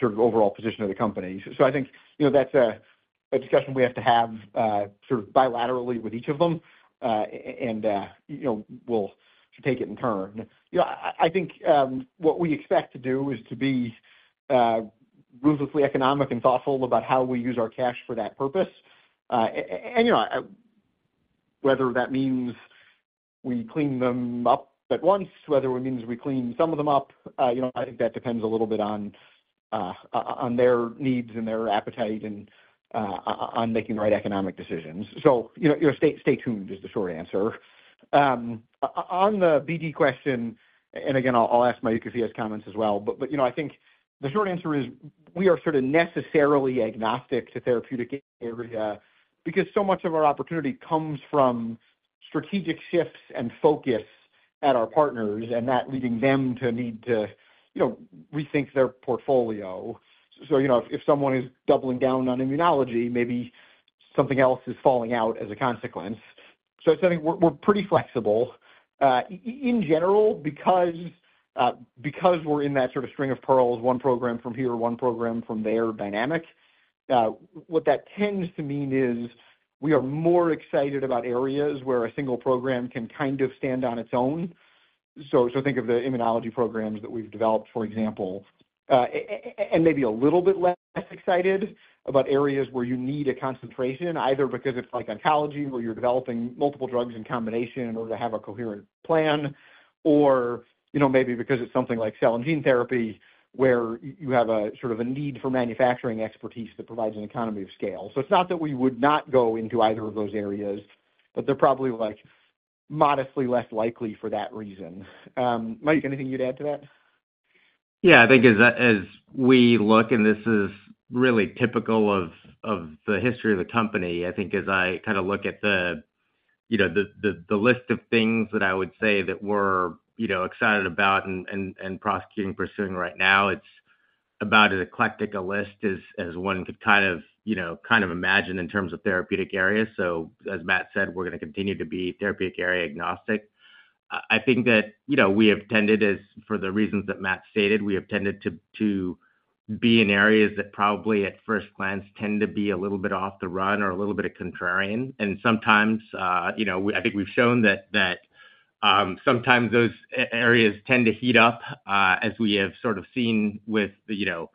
sort of overall position of the company. So I think, you know, that's a discussion we have to have sort of bilaterally with each of them, and you know, we'll take it in turn. You know, I think what we expect to do is to be ruthlessly economic and thoughtful about how we use our cash for that purpose. And, you know, whether that means we clean them up at once, whether it means we clean some of them up, you know, I think that depends a little bit on their needs and their appetite and on making the right economic decisions. So, you know, stay tuned is the short answer. On the BD question, and again, I'll ask Mayukh if he has comments as well, but you know, I think the short answer is we are sort of necessarily agnostic to therapeutic area because so much of our opportunity comes from strategic shifts and focus at our partners and that leading them to need to, you know, rethink their portfolio. So, you know, if someone is doubling down on immunology, maybe something else is falling out as a consequence. So I think we're pretty flexible. In general, because we're in that sort of string of pearls, one program from here, one program from there dynamic, what that tends to mean is we are more excited about areas where a single program can kind of stand on its own. So think of the immunology programs that we've developed, for example. And maybe a little bit less excited about areas where you need a concentration, either because it's like oncology, where you're developing multiple drugs in combination in order to have a coherent plan, or, you know, maybe because it's something like cell and gene therapy, where you have a sort of a need for manufacturing expertise that provides an economy of scale. So it's not that we would not go into either of those areas, but they're probably, like, modestly less likely for that reason. Mayukh, anything you'd add to that? Yeah, I think as we look, and this is really typical of the history of the company. I think as I kind of look at the, you know, the list of things that I would say that we're, you know, excited about and pursuing right now, it's about as eclectic a list as one could kind of, you know, imagine in terms of therapeutic areas. So as Matt said, we're going to continue to be therapeutic area agnostic. I think that, you know, we have tended, for the reasons that Matt stated, we have tended to be in areas that probably at first glance tend to be a little bit off the run or a little bit contrarian. And sometimes, you know, I think we've shown that, that, sometimes those areas tend to heat up, as we have sort of seen with, you know,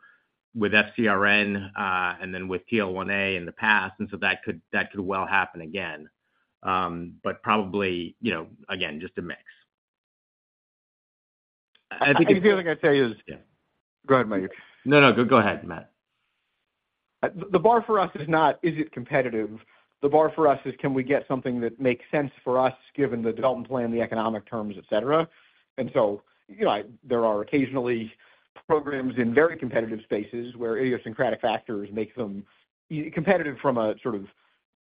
with FcRn, and then with TL1A in the past, and so that could, that could well happen again. But probably, you know, again, just a mix. I think the other thing I'd say is- Yeah. Go ahead, Mayukh. No, no, go, go ahead, Matt. The bar for us is not, is it competitive? The bar for us is, can we get something that makes sense for us, given the development plan, the economic terms, et cetera. And so, you know, there are occasionally programs in very competitive spaces where idiosyncratic factors make them competitive from a sort of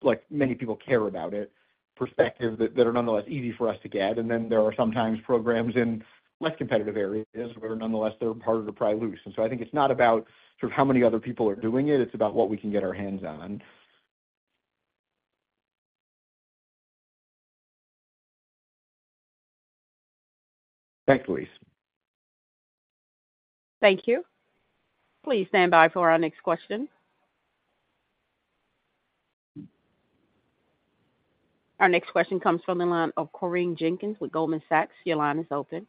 like, many people care about it, perspective, that are nonetheless easy for us to get. And then there are sometimes programs in less competitive areas, where nonetheless, they're harder to pry loose. And so I think it's not about sort of how many other people are doing it, it's about what we can get our hands on. Thanks, Louise. Thank you. Please stand by for our next question. Our next question comes from the line of Corinne Jenkins with Goldman Sachs. Your line is open.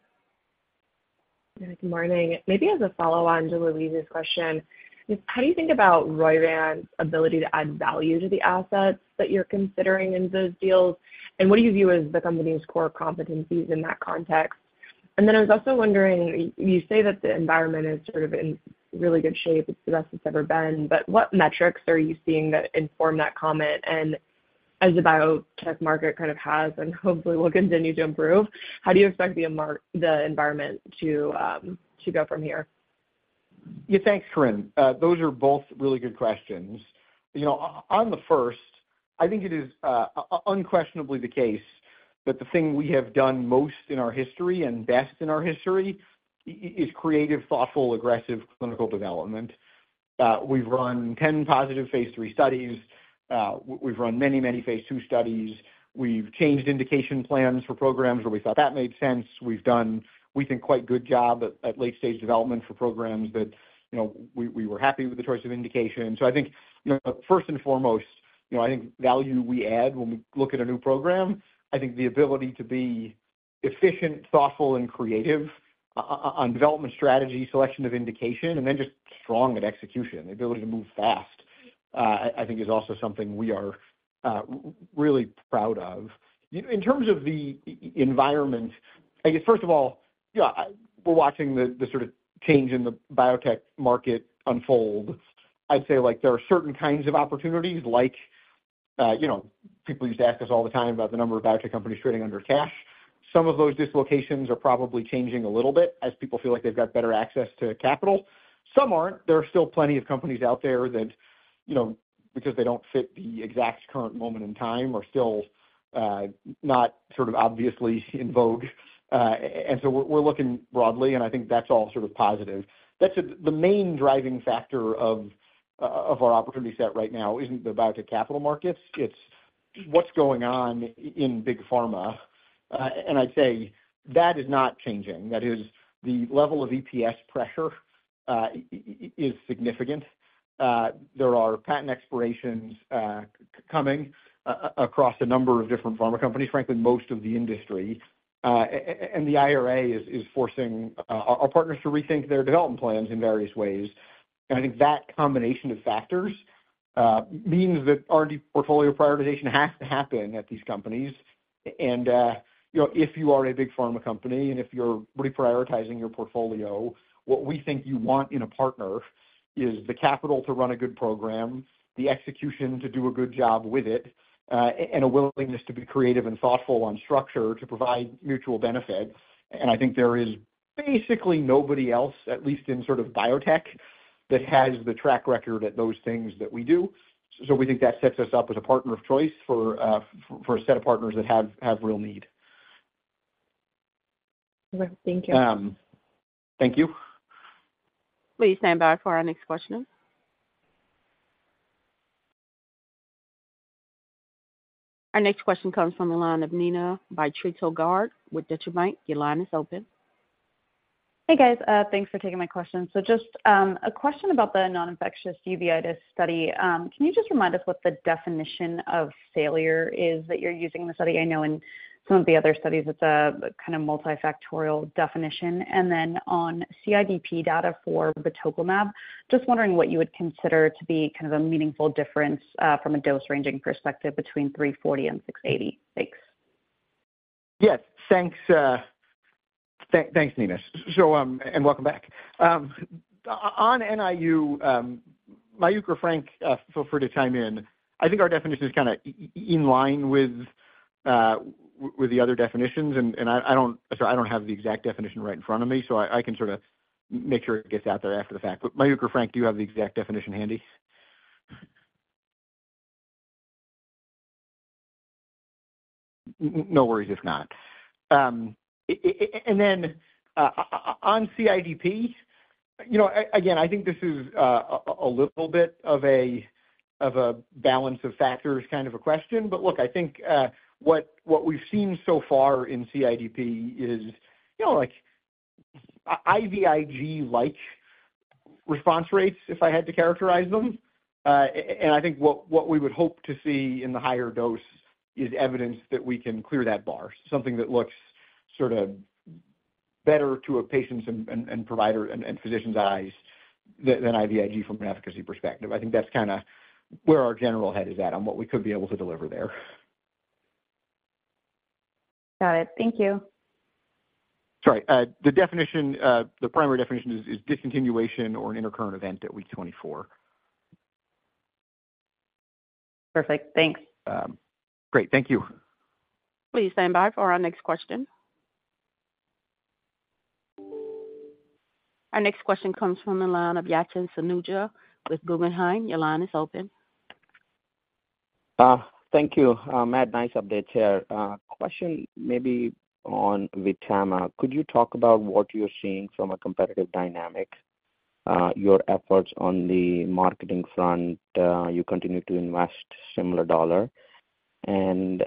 Good morning. Maybe as a follow-on to Louise's question, just how do you think about Roivant's ability to add value to the assets that you're considering in those deals? And what do you view as the company's core competencies in that context? And then I was also wondering, you say that the environment is sort of in really good shape. It's the best it's ever been. But what metrics are you seeing that inform that comment? And as the biotech market kind of has and hopefully will continue to improve, how do you expect the environment to go from here? Yeah, thanks, Corinne. Those are both really good questions. You know, on the first, I think it is unquestionably the case that the thing we have done most in our history and best in our history is creative, thoughtful, aggressive, clinical development. We've run 10 positive phase III studies. We've run many, many phase II studies. We've changed indication plans for programs where we thought that made sense. We've done, we think, quite good job at late stage development for programs that, you know, we were happy with the choice of indication. So I think, you know, first and foremost, you know, I think value we add when we look at a new program, I think the ability to be efficient, thoughtful, and creative on development strategy, selection of indication, and then just strong at execution. The ability to move fast, I think is also something we are really proud of. In terms of the environment, I guess, first of all, yeah, we're watching the sort of change in the biotech market unfold. I'd say, like, there are certain kinds of opportunities, like, you know, people used to ask us all the time about the number of biotech companies trading under cash. Some of those dislocations are probably changing a little bit as people feel like they've got better access to capital. Some aren't. There are still plenty of companies out there that, you know, because they don't fit the exact current moment in time, are still not sort of obviously in vogue. And so we're looking broadly, and I think that's all sort of positive. That's the main driving factor of our opportunity set right now isn't the biotech capital markets. It's what's going on in big pharma. And I'd say that is not changing. That is the level of EPS pressure is significant. There are patent expirations coming across a number of different pharma companies, frankly, most of the industry. And the IRA is forcing our partners to rethink their development plans in various ways. And I think that combination of factors means that R&D portfolio prioritization has to happen at these companies. You know, if you are a big pharma company, and if you're reprioritizing your portfolio, what we think you want in a partner is the capital to run a good program, the execution to do a good job with it, and a willingness to be creative and thoughtful on structure to provide mutual benefit. I think there is basically nobody else, at least in sort of biotech, that has the track record at those things that we do. So we think that sets us up as a partner of choice for a set of partners that have real need. Well, thank you. Thank you. Please stand by for our next question. Our next question comes from the line of Neena Bitritto-Garg with Deutsche Bank. Your line is open. Hey, guys, thanks for taking my question. So just a question about the non-infectious uveitis study. Can you just remind us what the definition of failure is that you're using in the study? I know in some of the other studies, it's a kind of multifactorial definition. And then on CIDP data for batoclimab, just wondering what you would consider to be kind of a meaningful difference from a dose-ranging perspective between 340 and 680. Thanks. Yes, thanks, Neena. Welcome back. On NIU, Mayukh or Frank, feel free to chime in. I think our definition is kind of in line with the other definitions, and I don't -- I'm sorry, I don't have the exact definition right in front of me, so I can sort of make sure it gets out there after the fact. But Mayukh or Frank, do you have the exact definition handy? No worries if not. And then, on CIDP... You know, again, I think this is a little bit of a balance of factors kind of a question. But look, I think what we've seen so far in CIDP is, you know, like, IVIG-like response rates, if I had to characterize them. I think what we would hope to see in the higher dose is evidence that we can clear that bar, something that looks sort of better to a patient's and provider and physician's eyes than IVIG from an efficacy perspective. I think that's kind of where our general head is at on what we could be able to deliver there. Got it. Thank you. Sorry, the definition, the primary definition is discontinuation or an intercurrent event at week 24. Perfect. Thanks. Great. Thank you. Please stand by for our next question. Our next question comes from the line of Yatin Suneja with Guggenheim. Your line is open. Thank you. Matt, nice update here. Question maybe on VTAMA. Could you talk about what you're seeing from a competitive dynamic, your efforts on the marketing front? You continue to invest similar dollar. And,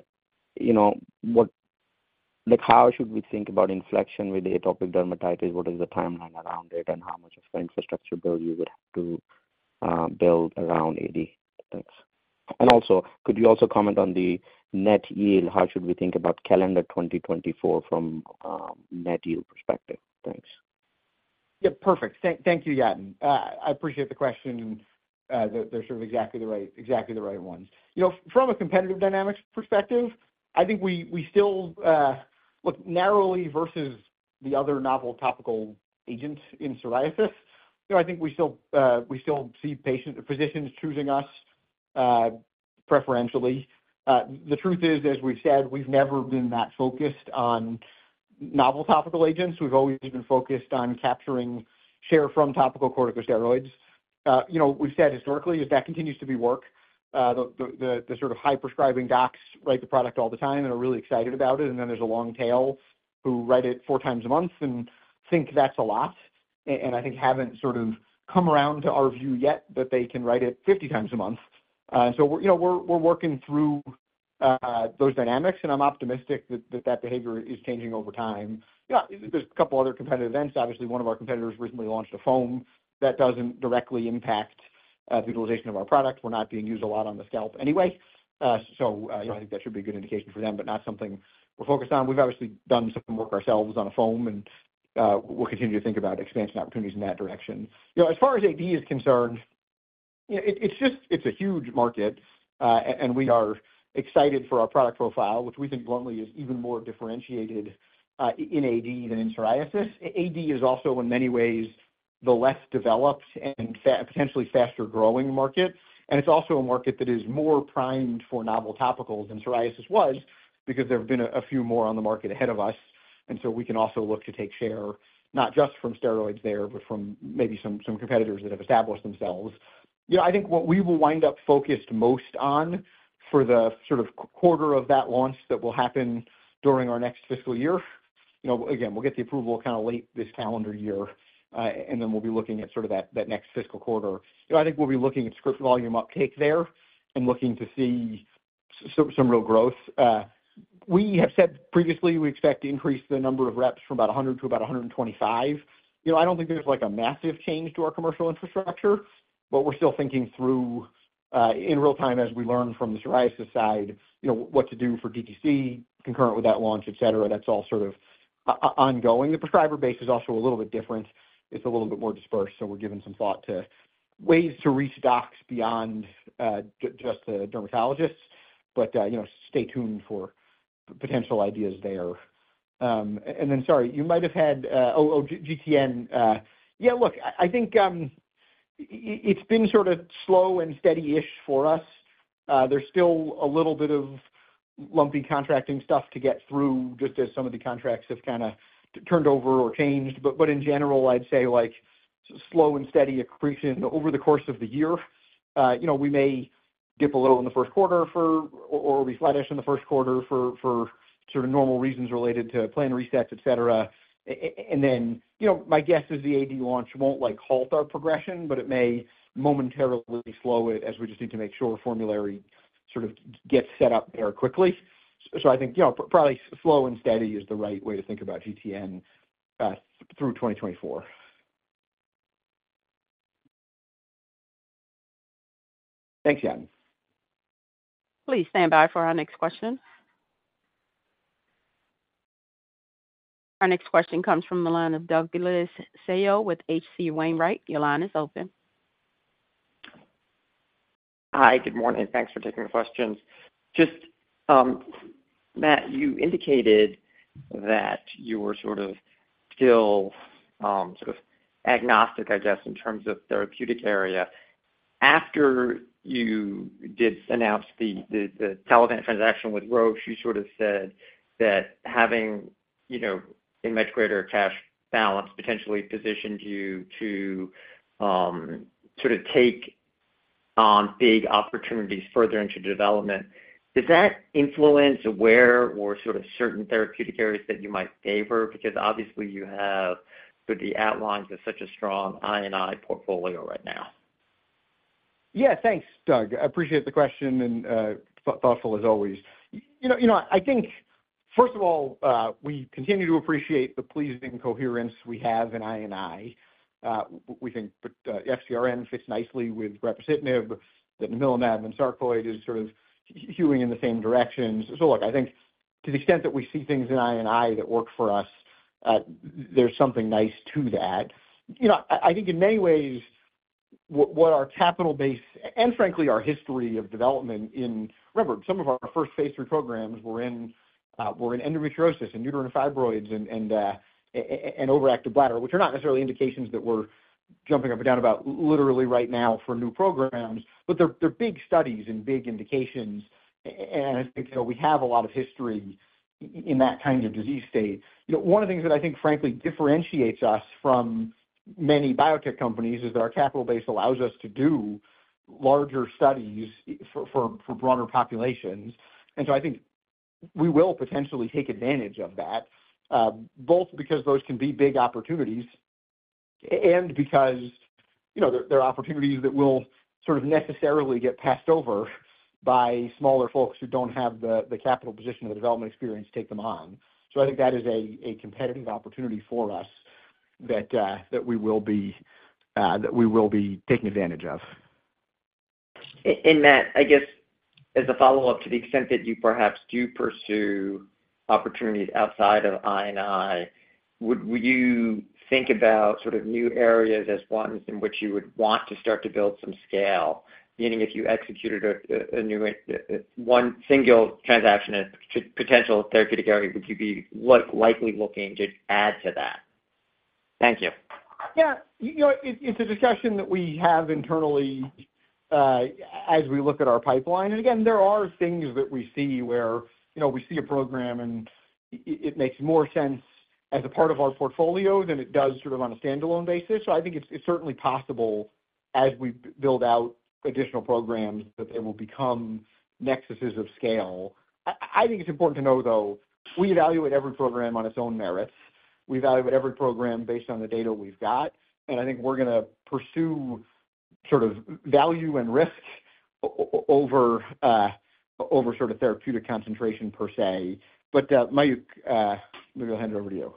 you know, what—like, how should we think about inflection with atopic dermatitis? What is the timeline around it, and how much of the infrastructure build you would have to build around AD? Thanks. And also, could you also comment on the net yield? How should we think about calendar 2024 from net yield perspective? Thanks. Yeah, perfect. Thank you, Yatin. I appreciate the question, they're sort of exactly the right, exactly the right ones. You know, from a competitive dynamics perspective, I think we still look narrowly versus the other novel topical agents in psoriasis. You know, I think we still see patients—physicians choosing us preferentially. The truth is, as we've said, we've never been that focused on novel topical agents. We've always been focused on capturing share from topical corticosteroids. You know, we've said historically, as that continues to be work, the sort of high prescribing docs write the product all the time and are really excited about it, and then there's a long tail who write it 4x a month and think that's a lot, and I think haven't sort of come around to our view yet, that they can write it 50x a month. So, you know, we're working through those dynamics, and I'm optimistic that that behavior is changing over time. Yeah, there's a couple other competitive events. Obviously, one of our competitors recently launched a foam that doesn't directly impact the utilization of our product. We're not being used a lot on the scalp anyway. So, I think that should be a good indication for them, but not something we're focused on. We've obviously done some work ourselves on a foam, and, we'll continue to think about expansion opportunities in that direction. You know, as far as AD is concerned, you know, it, it's just, it's a huge market, and we are excited for our product profile, which we think bluntly is even more differentiated in AD than in psoriasis. AD is also, in many ways, the less developed and potentially faster-growing market, and it's also a market that is more primed for novel topicals than psoriasis was because there have been a few more on the market ahead of us, and so we can also look to take share, not just from steroids there, but from maybe some competitors that have established themselves. You know, I think what we will wind up focused most on for the sort of quarter of that launch that will happen during our next fiscal year, you know, again, we'll get the approval kind of late this calendar year, and then we'll be looking at sort of that, that next fiscal quarter. You know, I think we'll be looking at script volume uptake there and looking to see some real growth. We have said previously, we expect to increase the number of reps from about 100 to about 125. You know, I don't think there's like a massive change to our commercial infrastructure, but we're still thinking through, in real time, as we learn from the psoriasis side, you know, what to do for DTC, concurrent with that launch, et cetera. That's all sort of ongoing. The prescriber base is also a little bit different. It's a little bit more dispersed, so we're giving some thought to ways to reach docs beyond just the dermatologists, but you know, stay tuned for potential ideas there. And then, sorry, you might have had... Oh, oh, GTN. Yeah, look, I think it's been sort of slow and steady-ish for us. There's still a little bit of lumpy contracting stuff to get through, just as some of the contracts have kind of turned over or changed. But in general, I'd say, like, slow and steady accretion over the course of the year. You know, we may dip a little in the first quarter or be flattish in the first quarter for sort of normal reasons related to plan resets, et cetera. And then, you know, my guess is the AD launch won't like halt our progression, but it may momentarily slow it, as we just need to make sure formulary sort of gets set up there quickly. So I think, you know, probably slow and steady is the right way to think about GTN through 2024. Thanks, Yatin. Please stand by for our next question. Our next question comes from the line of Douglas Tsao with H.C. Wainwright. Your line is open. Hi, good morning. Thanks for taking the questions. Just, Matt, you indicated that you were sort of still sort of agnostic, I guess, in terms of therapeutic area. After you did announce the the Telavant transaction with Roche, you sort of said that having, you know, a much greater cash balance potentially positioned you to sort of take on big opportunities further into development, does that influence where or sort of certain therapeutic areas that you might favor? Because obviously you have with the outlines of such a strong Immunovant portfolio right now. Yeah, thanks, Doug. I appreciate the question and, thoughtful as always. You know, you know, I think first of all, we continue to appreciate the pleasing coherence we have in NIU. We think FcRn fits nicely with brepocitinib, that namilumab and sarcoidosis is sort of hewing in the same direction. So look, I think to the extent that we see things in NIU that work for us, there's something nice to that. You know, I think in many ways, what our capital base and frankly, our history of development in... Remember, some of our first phase III programs were in endometriosis and uterine fibroids and overactive bladder, which are not necessarily indications that we're jumping up and down about literally right now for new programs, but they're big studies and big indications, and so we have a lot of history in that kind of disease state. You know, one of the things that I think frankly differentiates us from many biotech companies is that our capital base allows us to do larger studies for broader populations. And so I think we will potentially take advantage of that, both because those can be big opportunities and because, you know, they're opportunities that will sort of necessarily get passed over by smaller folks who don't have the capital position or the development experience to take them on. So I think that is a competitive opportunity for us that we will be taking advantage of. Matt, I guess, as a follow-up, to the extent that you perhaps do pursue opportunities outside of I&I, would you think about sort of new areas as ones in which you would want to start to build some scale? Meaning, if you executed a new one single transaction as potential therapeutic area, would you be likely looking to add to that? Thank you. Yeah, you know, it's a discussion that we have internally as we look at our pipeline. And again, there are things that we see where, you know, we see a program and it makes more sense as a part of our portfolio than it does sort of on a standalone basis. So I think it's certainly possible as we build out additional programs, that they will become nexuses of scale. I think it's important to know, though, we evaluate every program on its own merits. We evaluate every program based on the data we've got, and I think we're going to pursue sort of value and risk over over sort of therapeutic concentration per se. But, Mayukh, let me hand it over to you.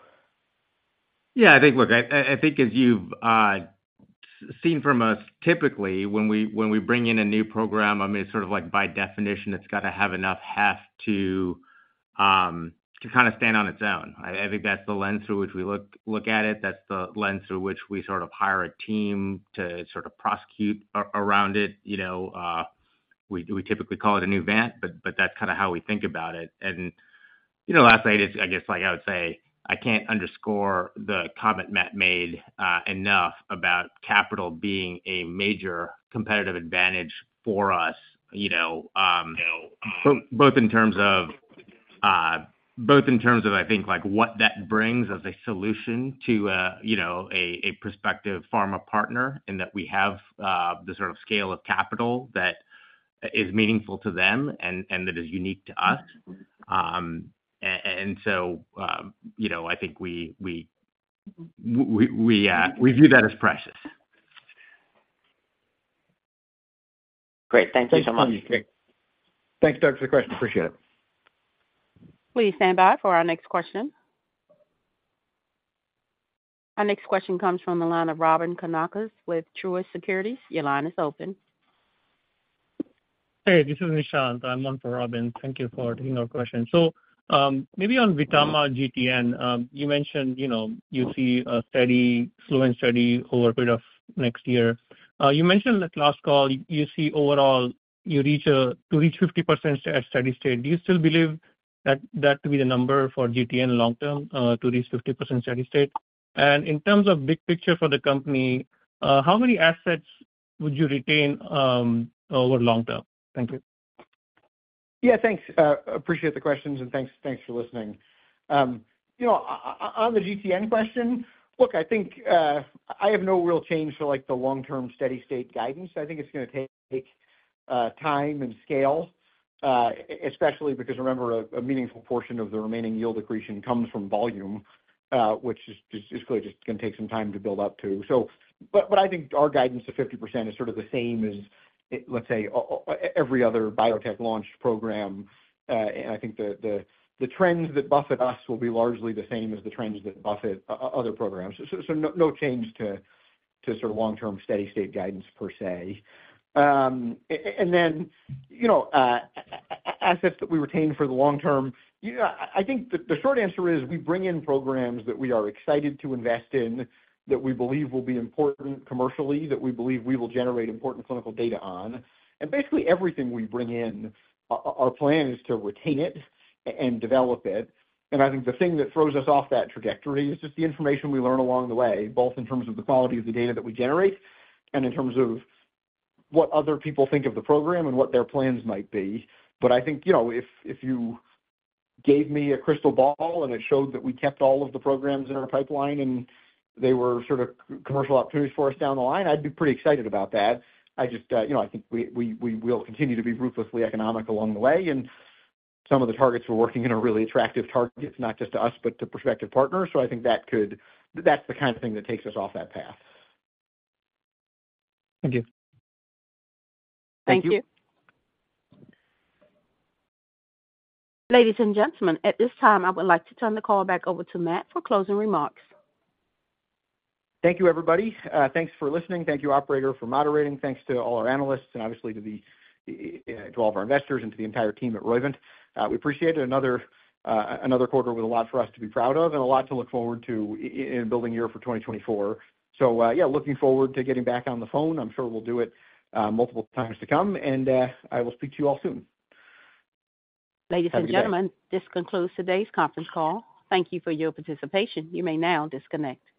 Yeah, I think, look, I think as you've seen from us, typically, when we bring in a new program, I mean, sort of like by definition, it's got to have enough heft to kind of stand on its own. I think that's the lens through which we look at it. That's the lens through which we sort of hire a team to sort of prosecute around it. You know, we typically call it a new Vant, but that's kind of how we think about it. You know, last night, I guess, like I would say, I can't underscore the comment Matt made enough about capital being a major competitive advantage for us, you know, both in terms of, I think, like, what that brings as a solution to, you know, a prospective pharma partner, and that we have the sort of scale of capital that is meaningful to them and that is unique to us. And so, you know, I think we view that as precious. Great. Thank you so much. Thanks, Doug, for the question. Appreciate it. Please stand by for our next question. Our next question comes from the line of Robyn Karnauskas with Truist Securities. Your line is open. Hey, this is Nishant. I'm on for Robyn. Thank you for taking our question. So, maybe on VTAMA GTN, you mentioned, you know, you see a steady flow and steady over a period of next year. You mentioned that last call, you see overall, to reach 50% at steady state. Do you still believe that to be the number for GTN long term, to reach 50% steady state? And in terms of big picture for the company, how many assets would you retain over long term? Thank you. Yeah, thanks. Appreciate the questions, and thanks, thanks for listening. You know, on the GTN question, look, I think I have no real change for, like, the long-term steady state guidance. I think it's going to take time and scale, especially because remember, a meaningful portion of the remaining yield accretion comes from volume, which is just going to take some time to build up to. So... But I think our guidance to 50% is sort of the same as, let's say, every other biotech launched program, and I think the trends that buffet us will be largely the same as the trends that buffet other programs. So no change to sort of long-term steady state guidance per se. And then, you know, assets that we retain for the long term, you know, I think the short answer is we bring in programs that we are excited to invest in, that we believe will be important commercially, that we believe we will generate important clinical data on. And basically everything we bring in, our plan is to retain it and develop it. And I think the thing that throws us off that trajectory is just the information we learn along the way, both in terms of the quality of the data that we generate and in terms of what other people think of the program and what their plans might be. But I think, you know, if you gave me a crystal ball and it showed that we kept all of the programs in our pipeline and they were sort of commercial opportunities for us down the line, I'd be pretty excited about that. I just, you know, I think we will continue to be ruthlessly economic along the way, and some of the targets we're working in are really attractive targets, not just to us, but to prospective partners. So I think that could. That's the kind of thing that takes us off that path. Thank you. Thank you. Ladies and gentlemen, at this time, I would like to turn the call back over to Matt for closing remarks. Thank you, everybody. Thanks for listening. Thank you, operator, for moderating. Thanks to all our analysts and obviously to the to all of our investors and to the entire team at Roivant. We appreciate it. Another quarter with a lot for us to be proud of and a lot to look forward to in building year for 2024. So, yeah, looking forward to getting back on the phone. I'm sure we'll do it multiple times to come, and I will speak to you all soon. Ladies and gentlemen, this concludes today's conference call. Thank you for your participation. You may now disconnect.